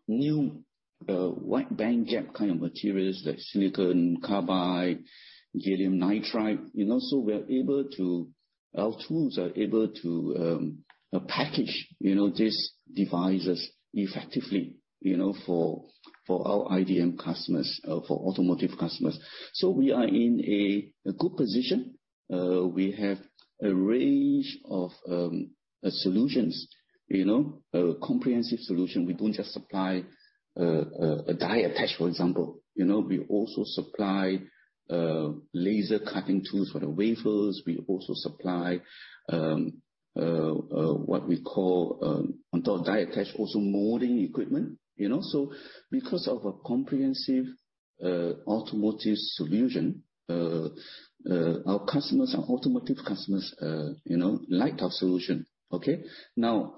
new wide bandgap kind of materials like Silicon Carbide, Gallium Nitride. You know, so we are able to... Our tools are able to package, you know, these devices effectively, you know, for our IDM customers, for automotive customers. We are in a good position. We have a range of solutions, you know. A comprehensive solution. We don't just supply a die attach, for example. You know, we also supply laser cutting tools for the wafers. We also supply what we call on top die attach, also molding equipment, you know. Because of a comprehensive automotive solution, our customers, our automotive customers, you know, like our solution. Okay? Now,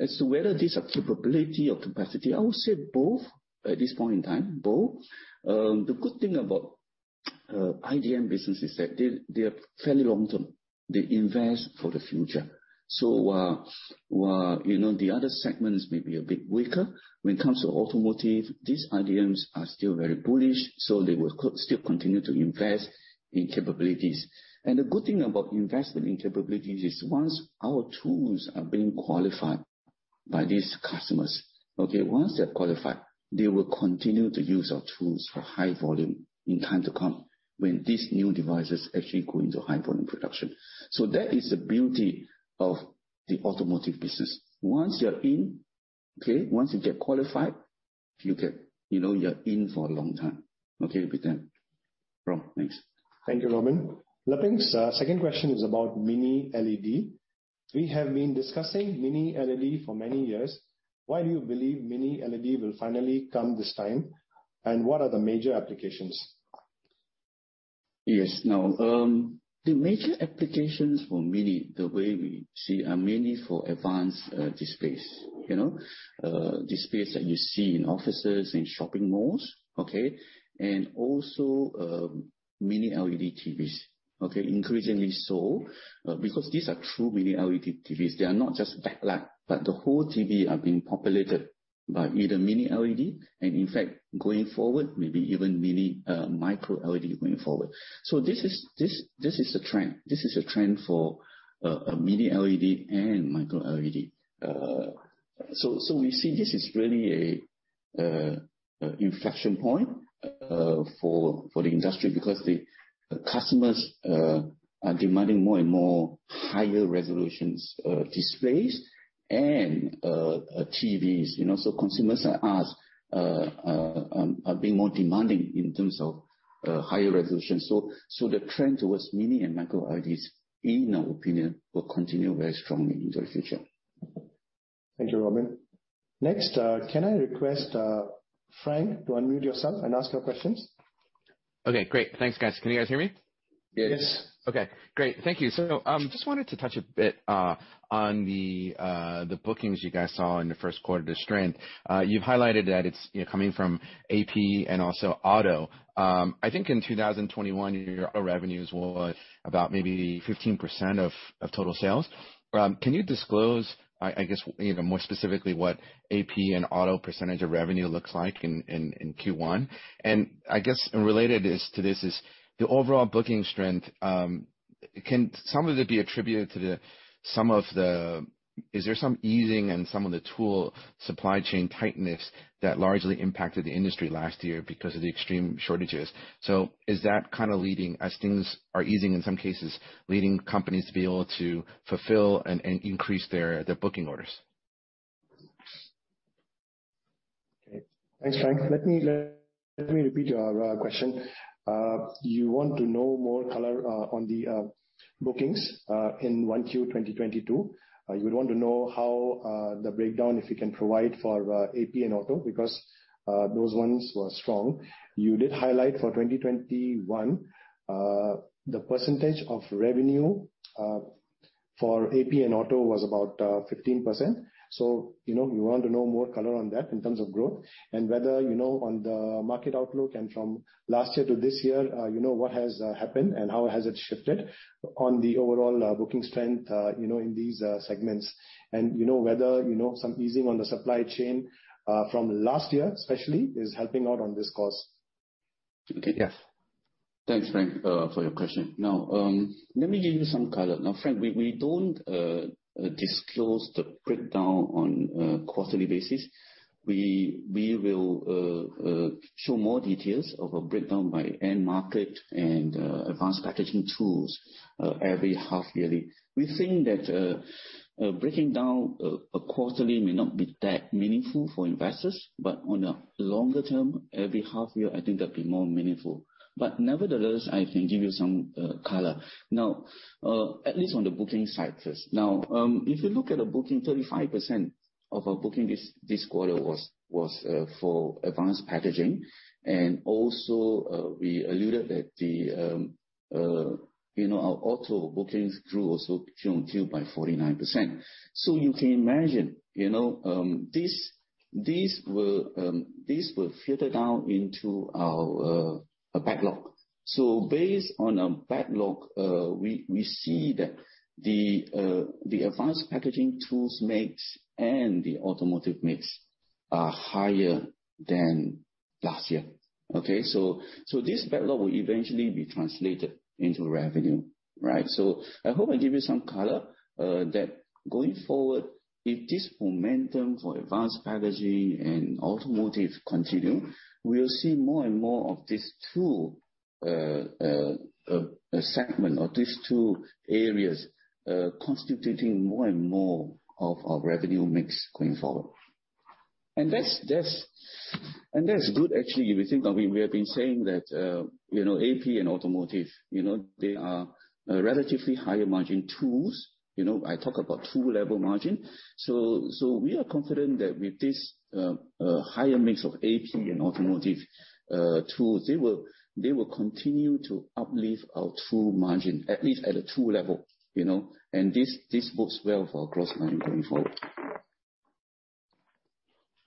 as to whether these are capability or capacity, I would say both at this point in time, both. The good thing about IDM business is that they are fairly long-term. They invest for the future. While, you know, the other segments may be a bit weaker when it comes to automotive, these IDMs are still very bullish, so they will still continue to invest in capabilities. The good thing about investment in capabilities is once our tools are being qualified by these customers, okay, once they're qualified, they will continue to use our tools for high volume in time to come, when these new devices actually go into high volume production. That is the beauty of the automotive business. Once you're in, okay, once you get qualified, you get. You know, you're in for a long time, okay, with them. Ron, thanks. Thank you, Robin. Liping's second question is about Mini LED. We have been discussing Mini LED for many years. Why do you believe Mini LED will finally come this time? And what are the major applications? Yes. Now, the major applications for Mini LED, the way we see, are mainly for advanced displays. You know, displays that you see in offices and shopping malls, okay? Also, Mini LED TVs, okay? Increasingly so, because these are true Mini LED TVs. They are not just backlight, but the whole TV are being populated by either Mini LED and in fact, going forward, maybe even Micro LED going forward. This is a trend for Mini LED and Micro LED. We see this is really an inflection point for the industry because the customers are demanding more and more higher resolution displays and TVs, you know. Consumers like us are being more demanding in terms of higher resolution. The trend towards Mini and Micro LEDs, in our opinion, will continue very strongly into the future. Thank you, Robin. Next, can I request Frank to unmute yourself and ask your questions? Okay, great. Thanks, guys. Can you guys hear me? Yes. Yes. Okay, great. Thank you. Just wanted to touch a bit on the bookings you guys saw in the first quarter, the strength. You've highlighted that it's, you know, coming from AP and also auto. I think in 2021 your auto revenues were about maybe 15% of total sales. Can you disclose, I guess, you know, more specifically what AP and auto percentage of revenue looks like in Q1? I guess related to this is the overall booking strength. Can some of it be attributed to some easing in the tool supply chain tightness that largely impacted the industry last year because of the extreme shortages? Is that kind of leading, as things are easing in some cases, leading companies to be able to fulfill and increase their booking orders? Okay. Thanks, Frank. Let me repeat your question. You want to know more color on the bookings in 1Q 2022. You'd want to know how the breakdown, if you can provide for AP and auto, because those ones were strong. You did highlight for 2021 the percentage of revenue for AP and auto was about 15%. You know, we want to know more color on that in terms of growth and whether you know on the market outlook and from last year to this year you know what has happened and how has it shifted on the overall booking strength you know in these segments. You know, whether you know, some easing on the supply chain from last year especially is helping out on this course. Okay. Yeah. Thanks, Frank, for your question. Now, let me give you some color. Now, Frank, we don't disclose the breakdown on a quarterly basis. We will show more details of a breakdown by end market and advanced packaging tools every half yearly. We think that breaking down a quarterly may not be that meaningful for investors, but on a longer term, every half year, I think that'd be more meaningful. But nevertheless, I can give you some color. Now, at least on the booking side first. Now, if you look at the booking, 35% of our booking this quarter was for advanced packaging. Also, we alluded that you know, our auto bookings grew also quarter-on-quarter by 49%. You can imagine, you know, this will filter down into our backlog. Based on our backlog, we see that the advanced packaging tools mix and the automotive mix are higher than last year. This backlog will eventually be translated into revenue, right? I hope I give you some color that going forward, if this momentum for advanced packaging and automotive continue, we'll see more and more of these two segment or these two areas constituting more and more of our revenue mix going forward. That's good actually, if you think that we have been saying that, you know, AP and automotive, you know, they are a relatively higher margin tools. You know, I talk about tool level margin. We are confident that with this higher mix of AP and automotive tools, they will continue to uplift our true margin, at least at a tool level, you know. This bodes well for our gross margin going forward.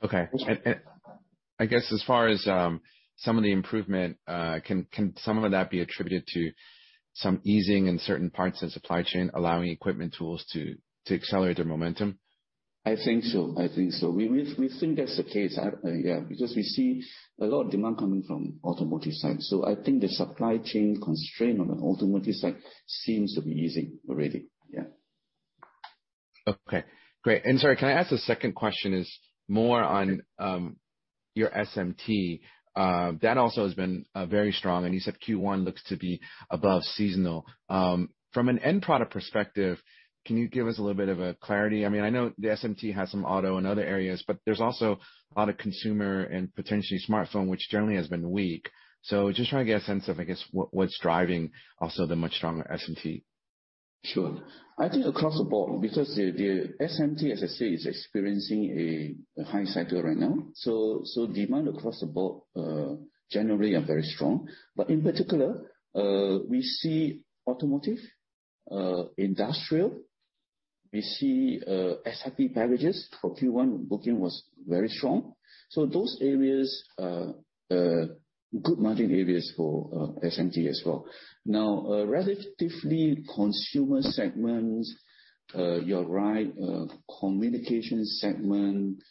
Okay. I guess as far as some of the improvement, can some of that be attributed to some easing in certain parts of the supply chain, allowing equipment tools to accelerate their momentum? I think so. We think that's the case. Yeah, because we see a lot of demand coming from automotive side. I think the supply chain constraint on the automotive side seems to be easing already. Yeah. Okay, great. Sorry, can I ask a second question? It's more on your SMT. That also has been very strong, and you said Q1 looks to be above seasonal. From an end product perspective, can you give us a little bit of clarity? I mean, I know the SMT has some auto and other areas, but there's also a lot of consumer and potentially smartphone, which generally has been weak. Just trying to get a sense of, I guess, what's driving also the much stronger SMT. Sure. I think across the board, because the SMT, as I say, is experiencing a high cycle right now, so demand across the board generally are very strong. In particular, we see automotive, industrial. We see SiP packages for Q1. Booking was very strong. Those areas are good margin areas for SMT as well. Now, relatively consumer segments, you're right, communication segment,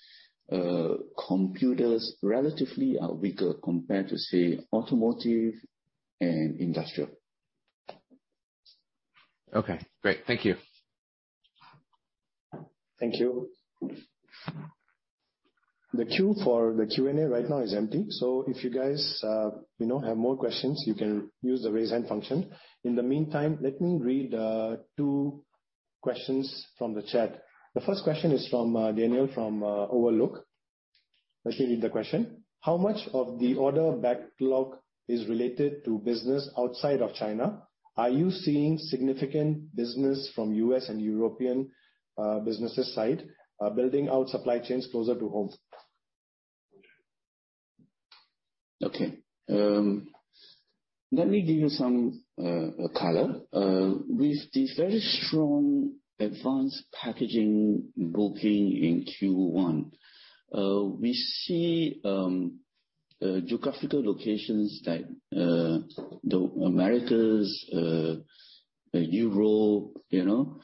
computers relatively are weaker compared to, say, automotive and industrial. Okay, great. Thank you. Thank you. The queue for the Q&A right now is empty, so if you guys, you know, have more questions, you can use the raise hand function. In the meantime, let me read two questions from the chat. The first question is from Daniel, from Overlook. Let me read the question. How much of the order backlog is related to business outside of China? Are you seeing significant business from U.S. and European businesses side, building out supply chains closer to home? Okay. Let me give you some color. With the very strong advanced packaging booking in Q1, we see geographical locations like the Americas, Europe, you know.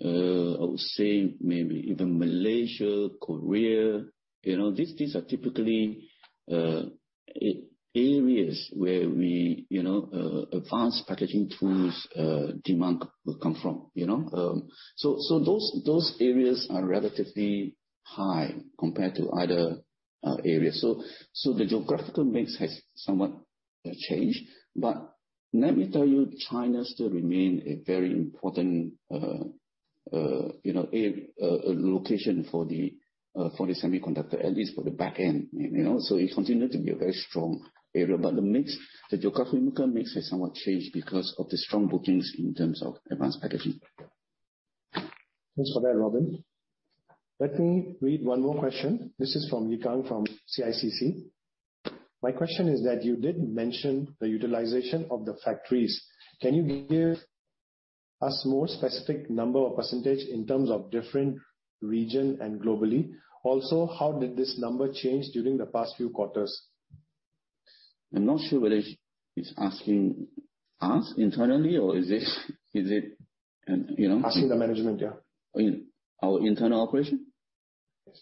I would say maybe even Malaysia, Korea. You know, these are typically areas where we, you know, advanced packaging tools demand will come from, you know. Those areas are relatively high compared to other areas. The geographical mix has somewhat changed. Let me tell you, China still remain a very important, you know, a location for the semiconductor, at least for the back end. You know, it continues to be a very strong area. The mix, the geographical mix has somewhat changed because of the strong bookings in terms of advanced packaging. Thanks for that, Robin. Let me read one more question. This is from Yikang, from CICC. My question is that you did mention the utilization of the factories. Can you give us more specific number or percentage in terms of different region and globally? Also, how did this number change during the past few quarters? I'm not sure whether he's asking us internally or is it, you know. Asking the management, yeah. In our internal operation? Yes.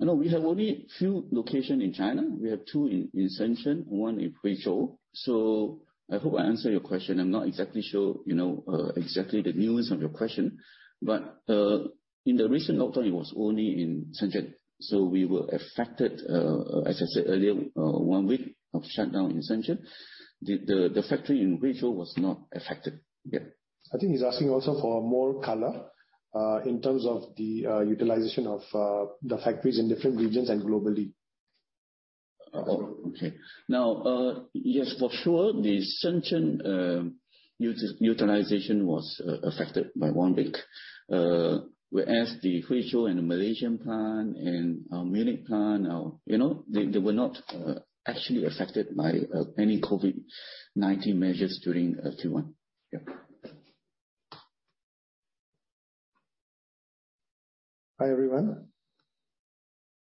No, we have only a few locations in China. We have two in Shenzhen, one in Huizhou. I hope I answer your question. I'm not exactly sure, you know, exactly the nuance of your question. In the recent lockdown, it was only in Shenzhen, so we were affected, as I said earlier, one week of shutdown in Shenzhen. The factory in Huizhou was not affected. Yeah. I think he's asking also for more color in terms of the utilization of the factories in different regions and globally. Oh, okay. Now, yes, for sure the Shenzhen utilization was affected by one week. Whereas the Huizhou and the Malaysian plant and our Munich plant, you know, they were not actually affected by any COVID-19 measures during Q1. Yeah. Hi, everyone.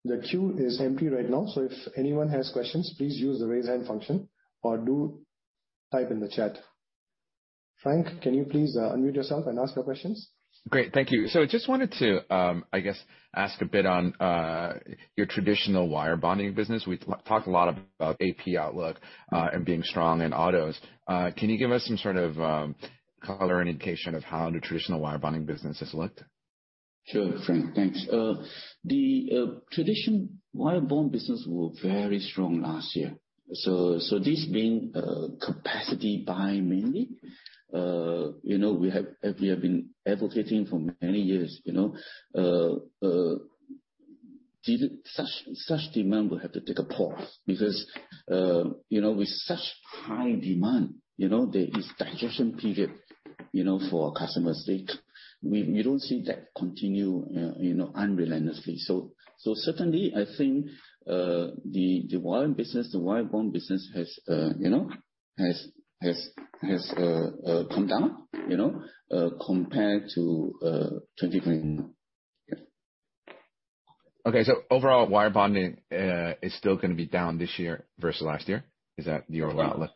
The queue is empty right now, so if anyone has questions, please use the raise hand function or type in the chat. Frank, can you please unmute yourself and ask your questions? Great. Thank you. Just wanted to, I guess, ask a bit on your traditional wire bonding business. We talk a lot about AP outlook and being strong in autos. Can you give us some sort of color indication of how the traditional wire bonding business has looked? Sure, Frank. Thanks. The traditional wire bond business were very strong last year. This being capacity buy mainly, you know, we have been advocating for many years, you know, such demand will have to take a pause because, you know, with such high demand, you know, there is digestion period, you know, for our customers' sake. We don't see that continue, you know, unrelentingly. Certainly I think, the wire business, the wire bond business has, you know, come down, you know, compared to 2023. Yeah. Okay. Overall wire bonding is still gonna be down this year versus last year? Is that your outlook?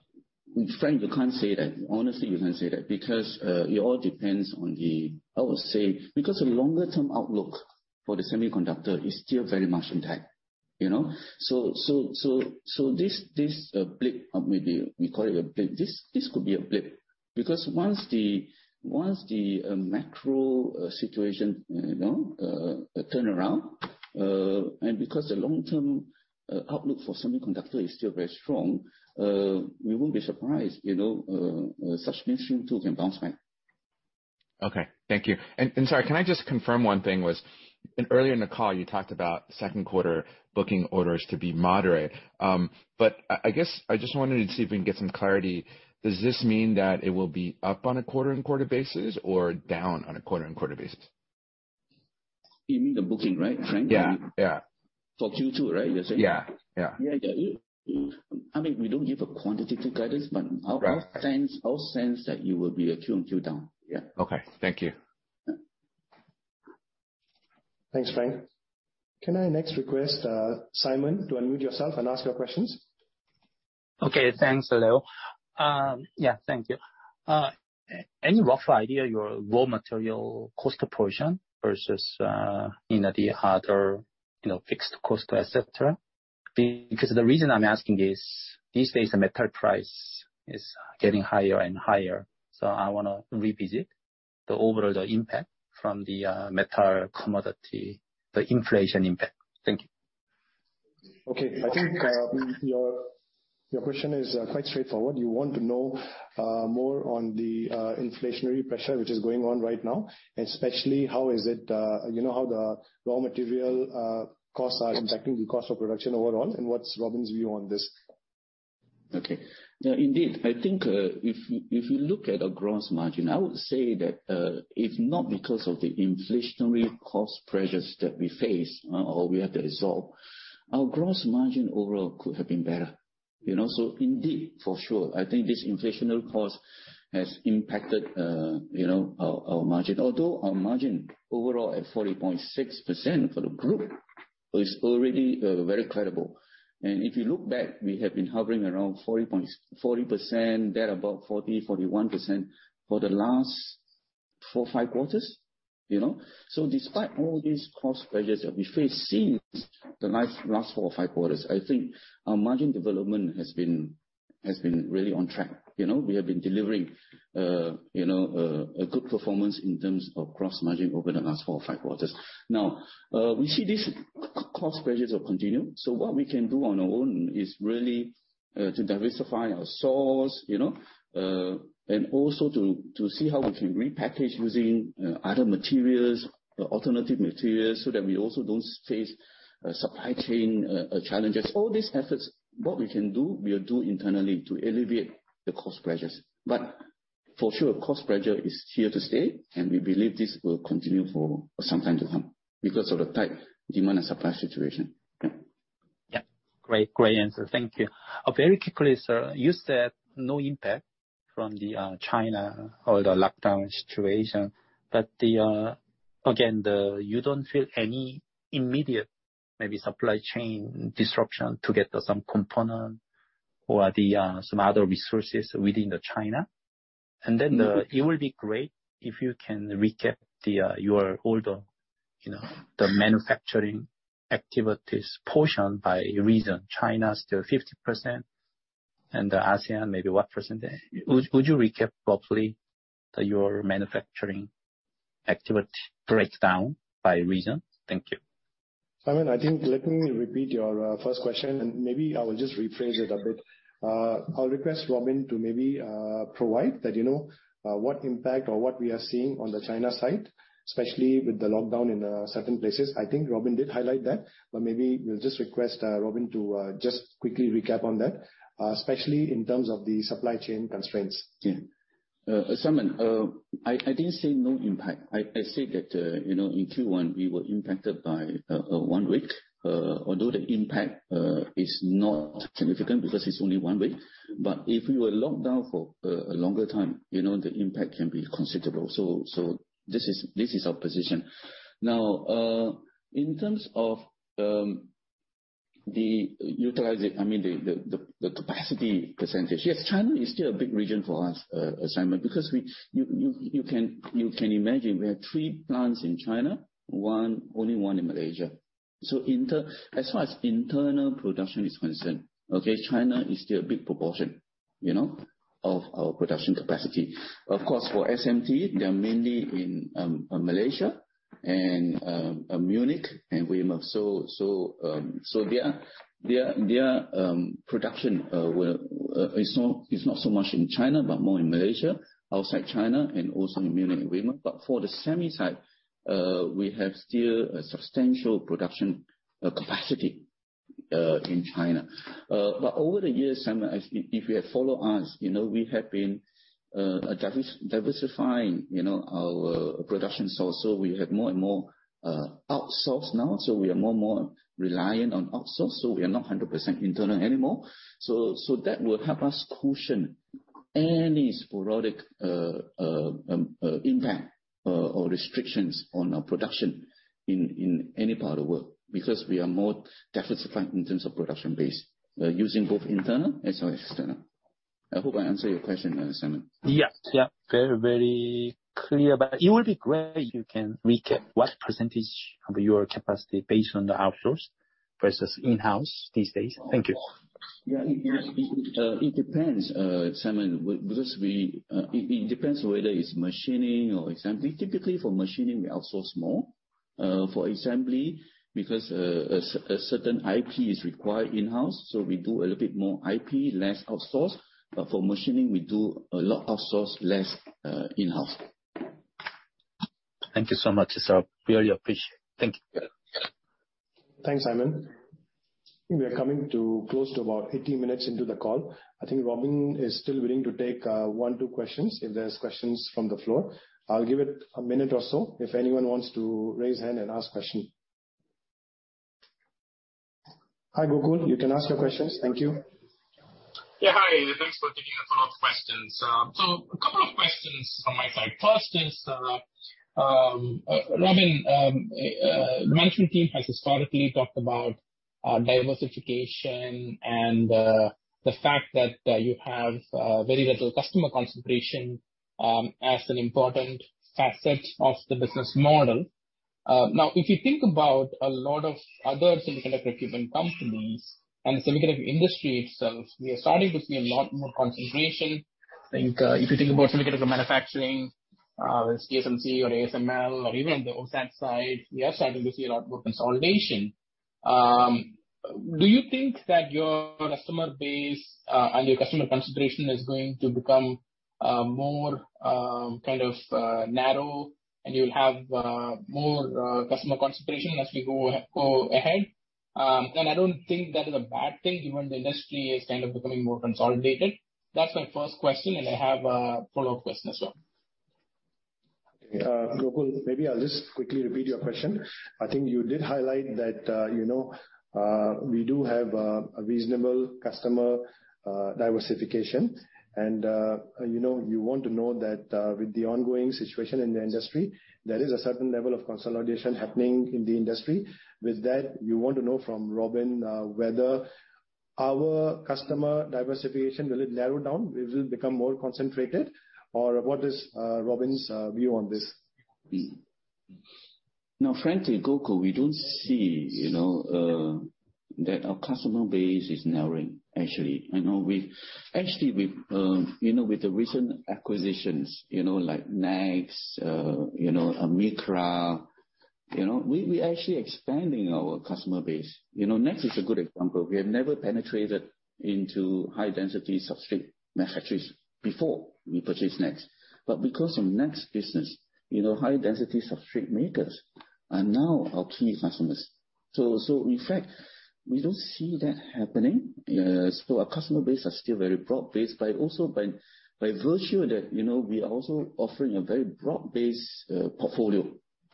Frank, you can't say that. Honestly, you can't say that because I would say because the longer-term outlook for the semiconductor is still very much intact. You know? This blip, we call it a blip. This could be a blip. Because once the macro situation, you know, turns around, and because the long-term outlook for semiconductor is still very strong, we won't be surprised, you know, mainstream tools and bounce back. Okay. Thank you. Sorry, can I just confirm one thing? Earlier in the call you talked about second quarter booking orders to be moderate. But I guess I just wanted to see if we can get some clarity. Does this mean that it will be up on a quarter-on-quarter basis or down on a quarter-on-quarter basis? You mean the booking, right, Frank? Yeah. Yeah. For Q2, right? You're saying. Yeah. Yeah. Yeah. I mean, we don't give a quantitative guidance, but. Right. Our sense that you will be a Q-on-Q down. Yeah. Okay, thank you. Yeah. Thanks, Frank. Can I next request, Simon to unmute yourself and ask your questions? Okay, thanks. Hello. Yeah, thank you. Any rough idea of your raw material cost portion versus, you know, the other, you know, fixed cost, et cetera? Because the reason I'm asking is, these days the metal price is getting higher and higher, so I wanna revisit the overall impact from the metal commodity, the inflation impact. Thank you. Okay. I think your question is quite straightforward. You want to know more on the inflationary pressure, which is going on right now, and especially, you know, how the raw material costs are impacting the cost of production overall, and what's Robin's view on this? I think if you look at our gross margin, I would say that if not because of the inflationary cost pressures that we face or we had to resolve, our gross margin overall could have been better. You know? Indeed, for sure, I think this inflationary cost has impacted you know, our margin. Although our margin overall at 40.6% for the group is already very credible. If you look back, we have been hovering around 40% thereabout 40, 41% for the last four or five quarters. You know? Despite all these cost pressures that we face since the last four or five quarters, I think our margin development has been really on track. You know? We have been delivering a good performance in terms of gross margin over the last four or five quarters. Now, we see this cost pressures will continue, so what we can do on our own is really to diversify our source and also to see how we can repackage using other materials or alternative materials so that we also don't face supply chain challenges. All these efforts, what we can do, we'll do internally to alleviate the cost pressures. For sure, cost pressure is here to stay, and we believe this will continue for some time to come because of the tight demand and supply situation. Yeah. Great answer. Thank you. Very quickly, sir, you said no impact from the China or the lockdown situation, but again, you don't feel any immediate maybe supply chain disruption to get some component or some other resources within China? It will be great if you can recap your overall, you know, the manufacturing activities portion by region. China is still 50%, and ASEAN maybe what percentage? Would you recap roughly your manufacturing activity breakdown by region? Thank you. Simon, I think let me repeat your first question and maybe I will just rephrase it a bit. I'll request Robin to maybe provide that, you know, what impact or what we are seeing on the China side, especially with the lockdown in certain places. I think Robin did highlight that, but maybe we'll just request Robin to just quickly recap on that, especially in terms of the supply chain constraints. Yeah, Simon, I didn't say no impact. I said that, you know, in Q1 we were impacted by one week, although the impact is not significant because it's only one week. If we were locked down for a longer time, you know, the impact can be considerable. This is our position. Now, in terms of the utilization, I mean, the capacity percentage. Yes, China is still a big region for us, Simon, because you can imagine we have three plants in China, only one in Malaysia. As far as internal production is concerned, okay? China is still a big proportion, you know, of our production capacity. Of course, for SMT, they're mainly in Malaysia and Munich and Weymouth. Their production is not so much in China, but more in Malaysia, outside China, and also in Munich and Weymouth. For the semi side, we have still a substantial production capacity in China. Over the years, Simon, as if you have followed us, you know, we have been diversifying, you know, our production source. We have more and more outsourcing now. We are more and more reliant on outsourcing, so we are not 100% internal anymore. That will help us cushion any sporadic impact or restrictions on our production in any part of the world, because we are more diversified in terms of production base, using both internal as well as external. I hope I answer your question, Simon. Yeah. Yeah, very, very clear. It will be great if you can recap what percentage of your capacity based on the outsource versus in-house these days? Thank you. It depends, Simon, because it depends whether it's machining or assembly. Typically, for machining, we outsource more. For assembly, because a certain IP is required in-house, so we do a little bit more IP, less outsource. For machining, we do a lot outsource, less in-house. Thank you so much, sir. I really appreciate. Thank you. Yeah. Thanks, Simon. I think we are coming close to about 80 minutes into the call. I think Robin is still willing to take one or two questions if there's questions from the floor. I'll give it a minute or so if anyone wants to raise hand and ask question. Hi, Gokul. You can ask your questions. Thank you. Yeah. Hi. Thanks for taking a couple of questions. A couple of questions from my side. First is, Robin, management team has historically talked about, diversification and, the fact that, you have, very little customer concentration, as an important facet of the business model. Now, if you think about a lot of other semiconductor equipment companies and the semiconductor industry itself, we are starting to see a lot more concentration. I think, if you think about semiconductor manufacturing, let's say TSMC or ASML or even the OSAT side, we are starting to see a lot more consolidation. Do you think that your customer base, and your customer concentration is going to become, more, kind of, narrow and you'll have, more, customer concentration as we go ahead? I don't think that is a bad thing given the industry is kind of becoming more consolidated. That's my first question, and I have a follow-up question as well. Okay. Gokul, maybe I'll just quickly repeat your question. I think you did highlight that, you know, we do have a reasonable customer diversification. You know, you want to know that, with the ongoing situation in the industry, there is a certain level of consolidation happening in the industry. With that, you want to know from Robin whether our customer diversification will narrow down? Will it become more concentrated? Or what is Robin's view on this? No, frankly, Gokul, we don't see, you know, that our customer base is narrowing actually. Actually, we, you know, with the recent acquisitions, you know, like NEXX, you know, Amicra, you know, we actually expanding our customer base. You know, NEXX is a good example. We have never penetrated into high-density substrate manufacturers before we purchased NEXX. Because of NEXX business, you know, high-density substrate makers are now our key customers. In fact, we don't see that happening. Our customer base are still very broad-based, by also by virtue that, you know, we are also offering a very broad-based, portfolio,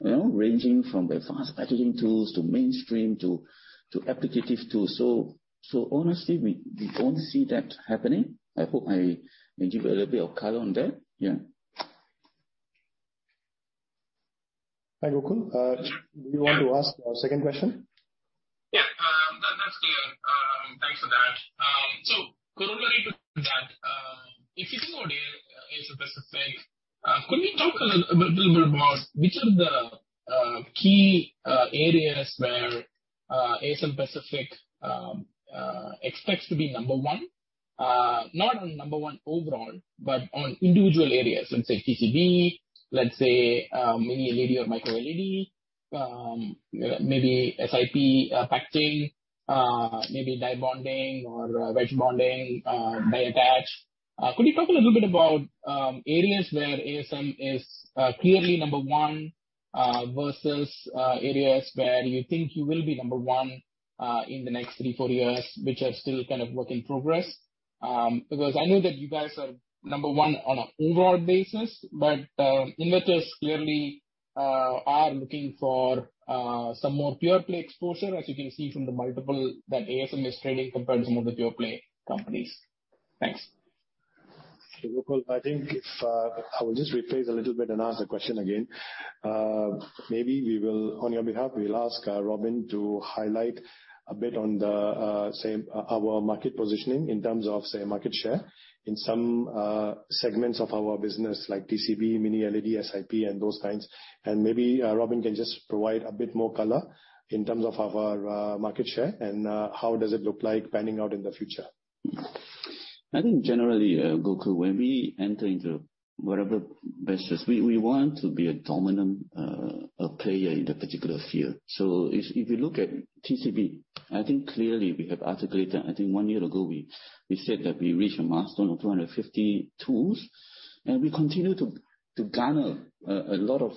you know, ranging from advanced packaging tools to mainstream to applicative tools. Honestly, we don't see that happening. I hope I may give a little bit of color on that. Yeah. Hi, Gokul. Do you want to ask our second question? Yeah. That's clear. Thanks for that. Corollary to that, if you think about ASM Pacific, could we talk a little bit about which are the key areas where ASM Pacific expects to be number one? Not number one overall, but on individual areas, let's say TCB, let's say maybe LED or Micro LED, maybe SIP packaging, maybe die bonding or wedge bonding, die attach. Could you talk a little bit about areas where ASM is clearly number one versus areas where you think you will be number one in the next three, four years, which are still kind of work in progress? Because I know that you guys are number one on an overall basis, but investors clearly are looking for some more pure play exposure as you can see from the multiple that ASM is trading compared to some of the pure play companies. Thanks. Gokul, I think if I will just rephrase a little bit and ask the question again. Maybe we will, on your behalf, we'll ask Robin to highlight a bit on the say, our market positioning in terms of say, market share in some segments of our business like TCB, Mini LED, SIP and those kinds. Maybe Robin can just provide a bit more color in terms of our market share and how does it look like panning out in the future. I think generally, Gokul, when we enter into whatever business, we want to be a dominant player in the particular field. If you look at TCB, I think clearly we have articulated, I think one year ago, we said that we reached a milestone of 250 tools, and we continue to garner a lot of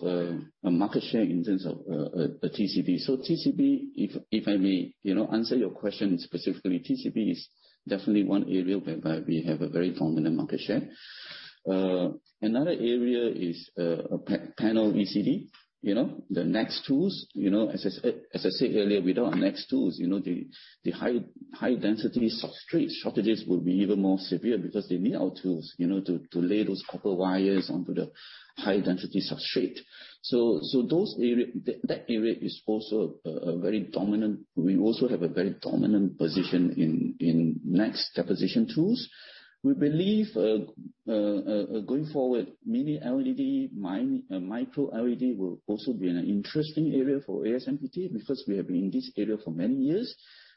market share in terms of TCB. TCB, if I may, you know, answer your question specifically, TCB is definitely one area whereby we have a very dominant market share. Another area is Panel-level ECD. You know, the NEXX tools, you know, as I said earlier, without our NEXX tools, you know, the high-density substrate shortages will be even more severe because they need our tools, you know, to lay those copper wires onto the high-density substrate. So that area is also a very dominant. We also have a very dominant position in NEXX deposition tools. We believe going forward, Mini LED, micro LED will also be an interesting area for ASMPT because we have been in this area for many years.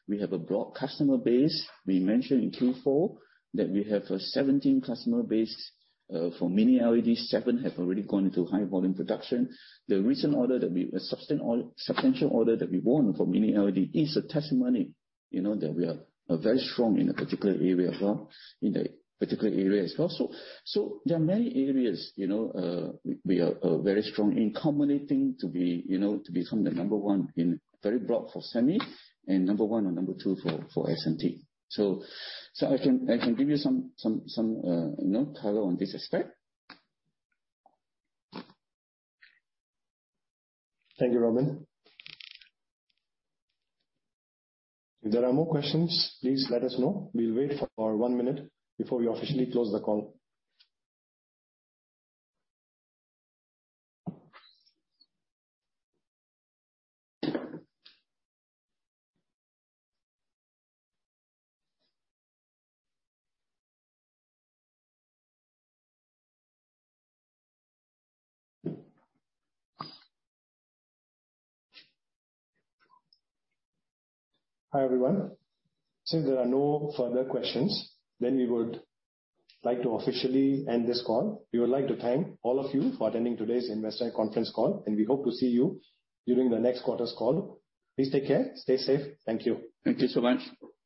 We have a broad customer base. We mentioned in Q4 that we have a 17-customer base for Mini LED. Seven have already gone into high volume production. The recent order that we. Substantial order that we won for Mini LED is a testimony, you know, that we are very strong in a particular area as well. There are many areas, you know, we are very strong in culminating to be, you know, to become the number one in very broad for semi and number one or number two for SMT. I can give you some, you know, color on this aspect. Thank you, Robin. If there are more questions, please let us know. We'll wait for one minute before we officially close the call. Hi, everyone. Since there are no further questions, then we would like to officially end this call. We would like to thank all of you for attending today's investor conference call, and we hope to see you during the next quarter's call. Please take care. Stay safe. Thank you. Thank you so much.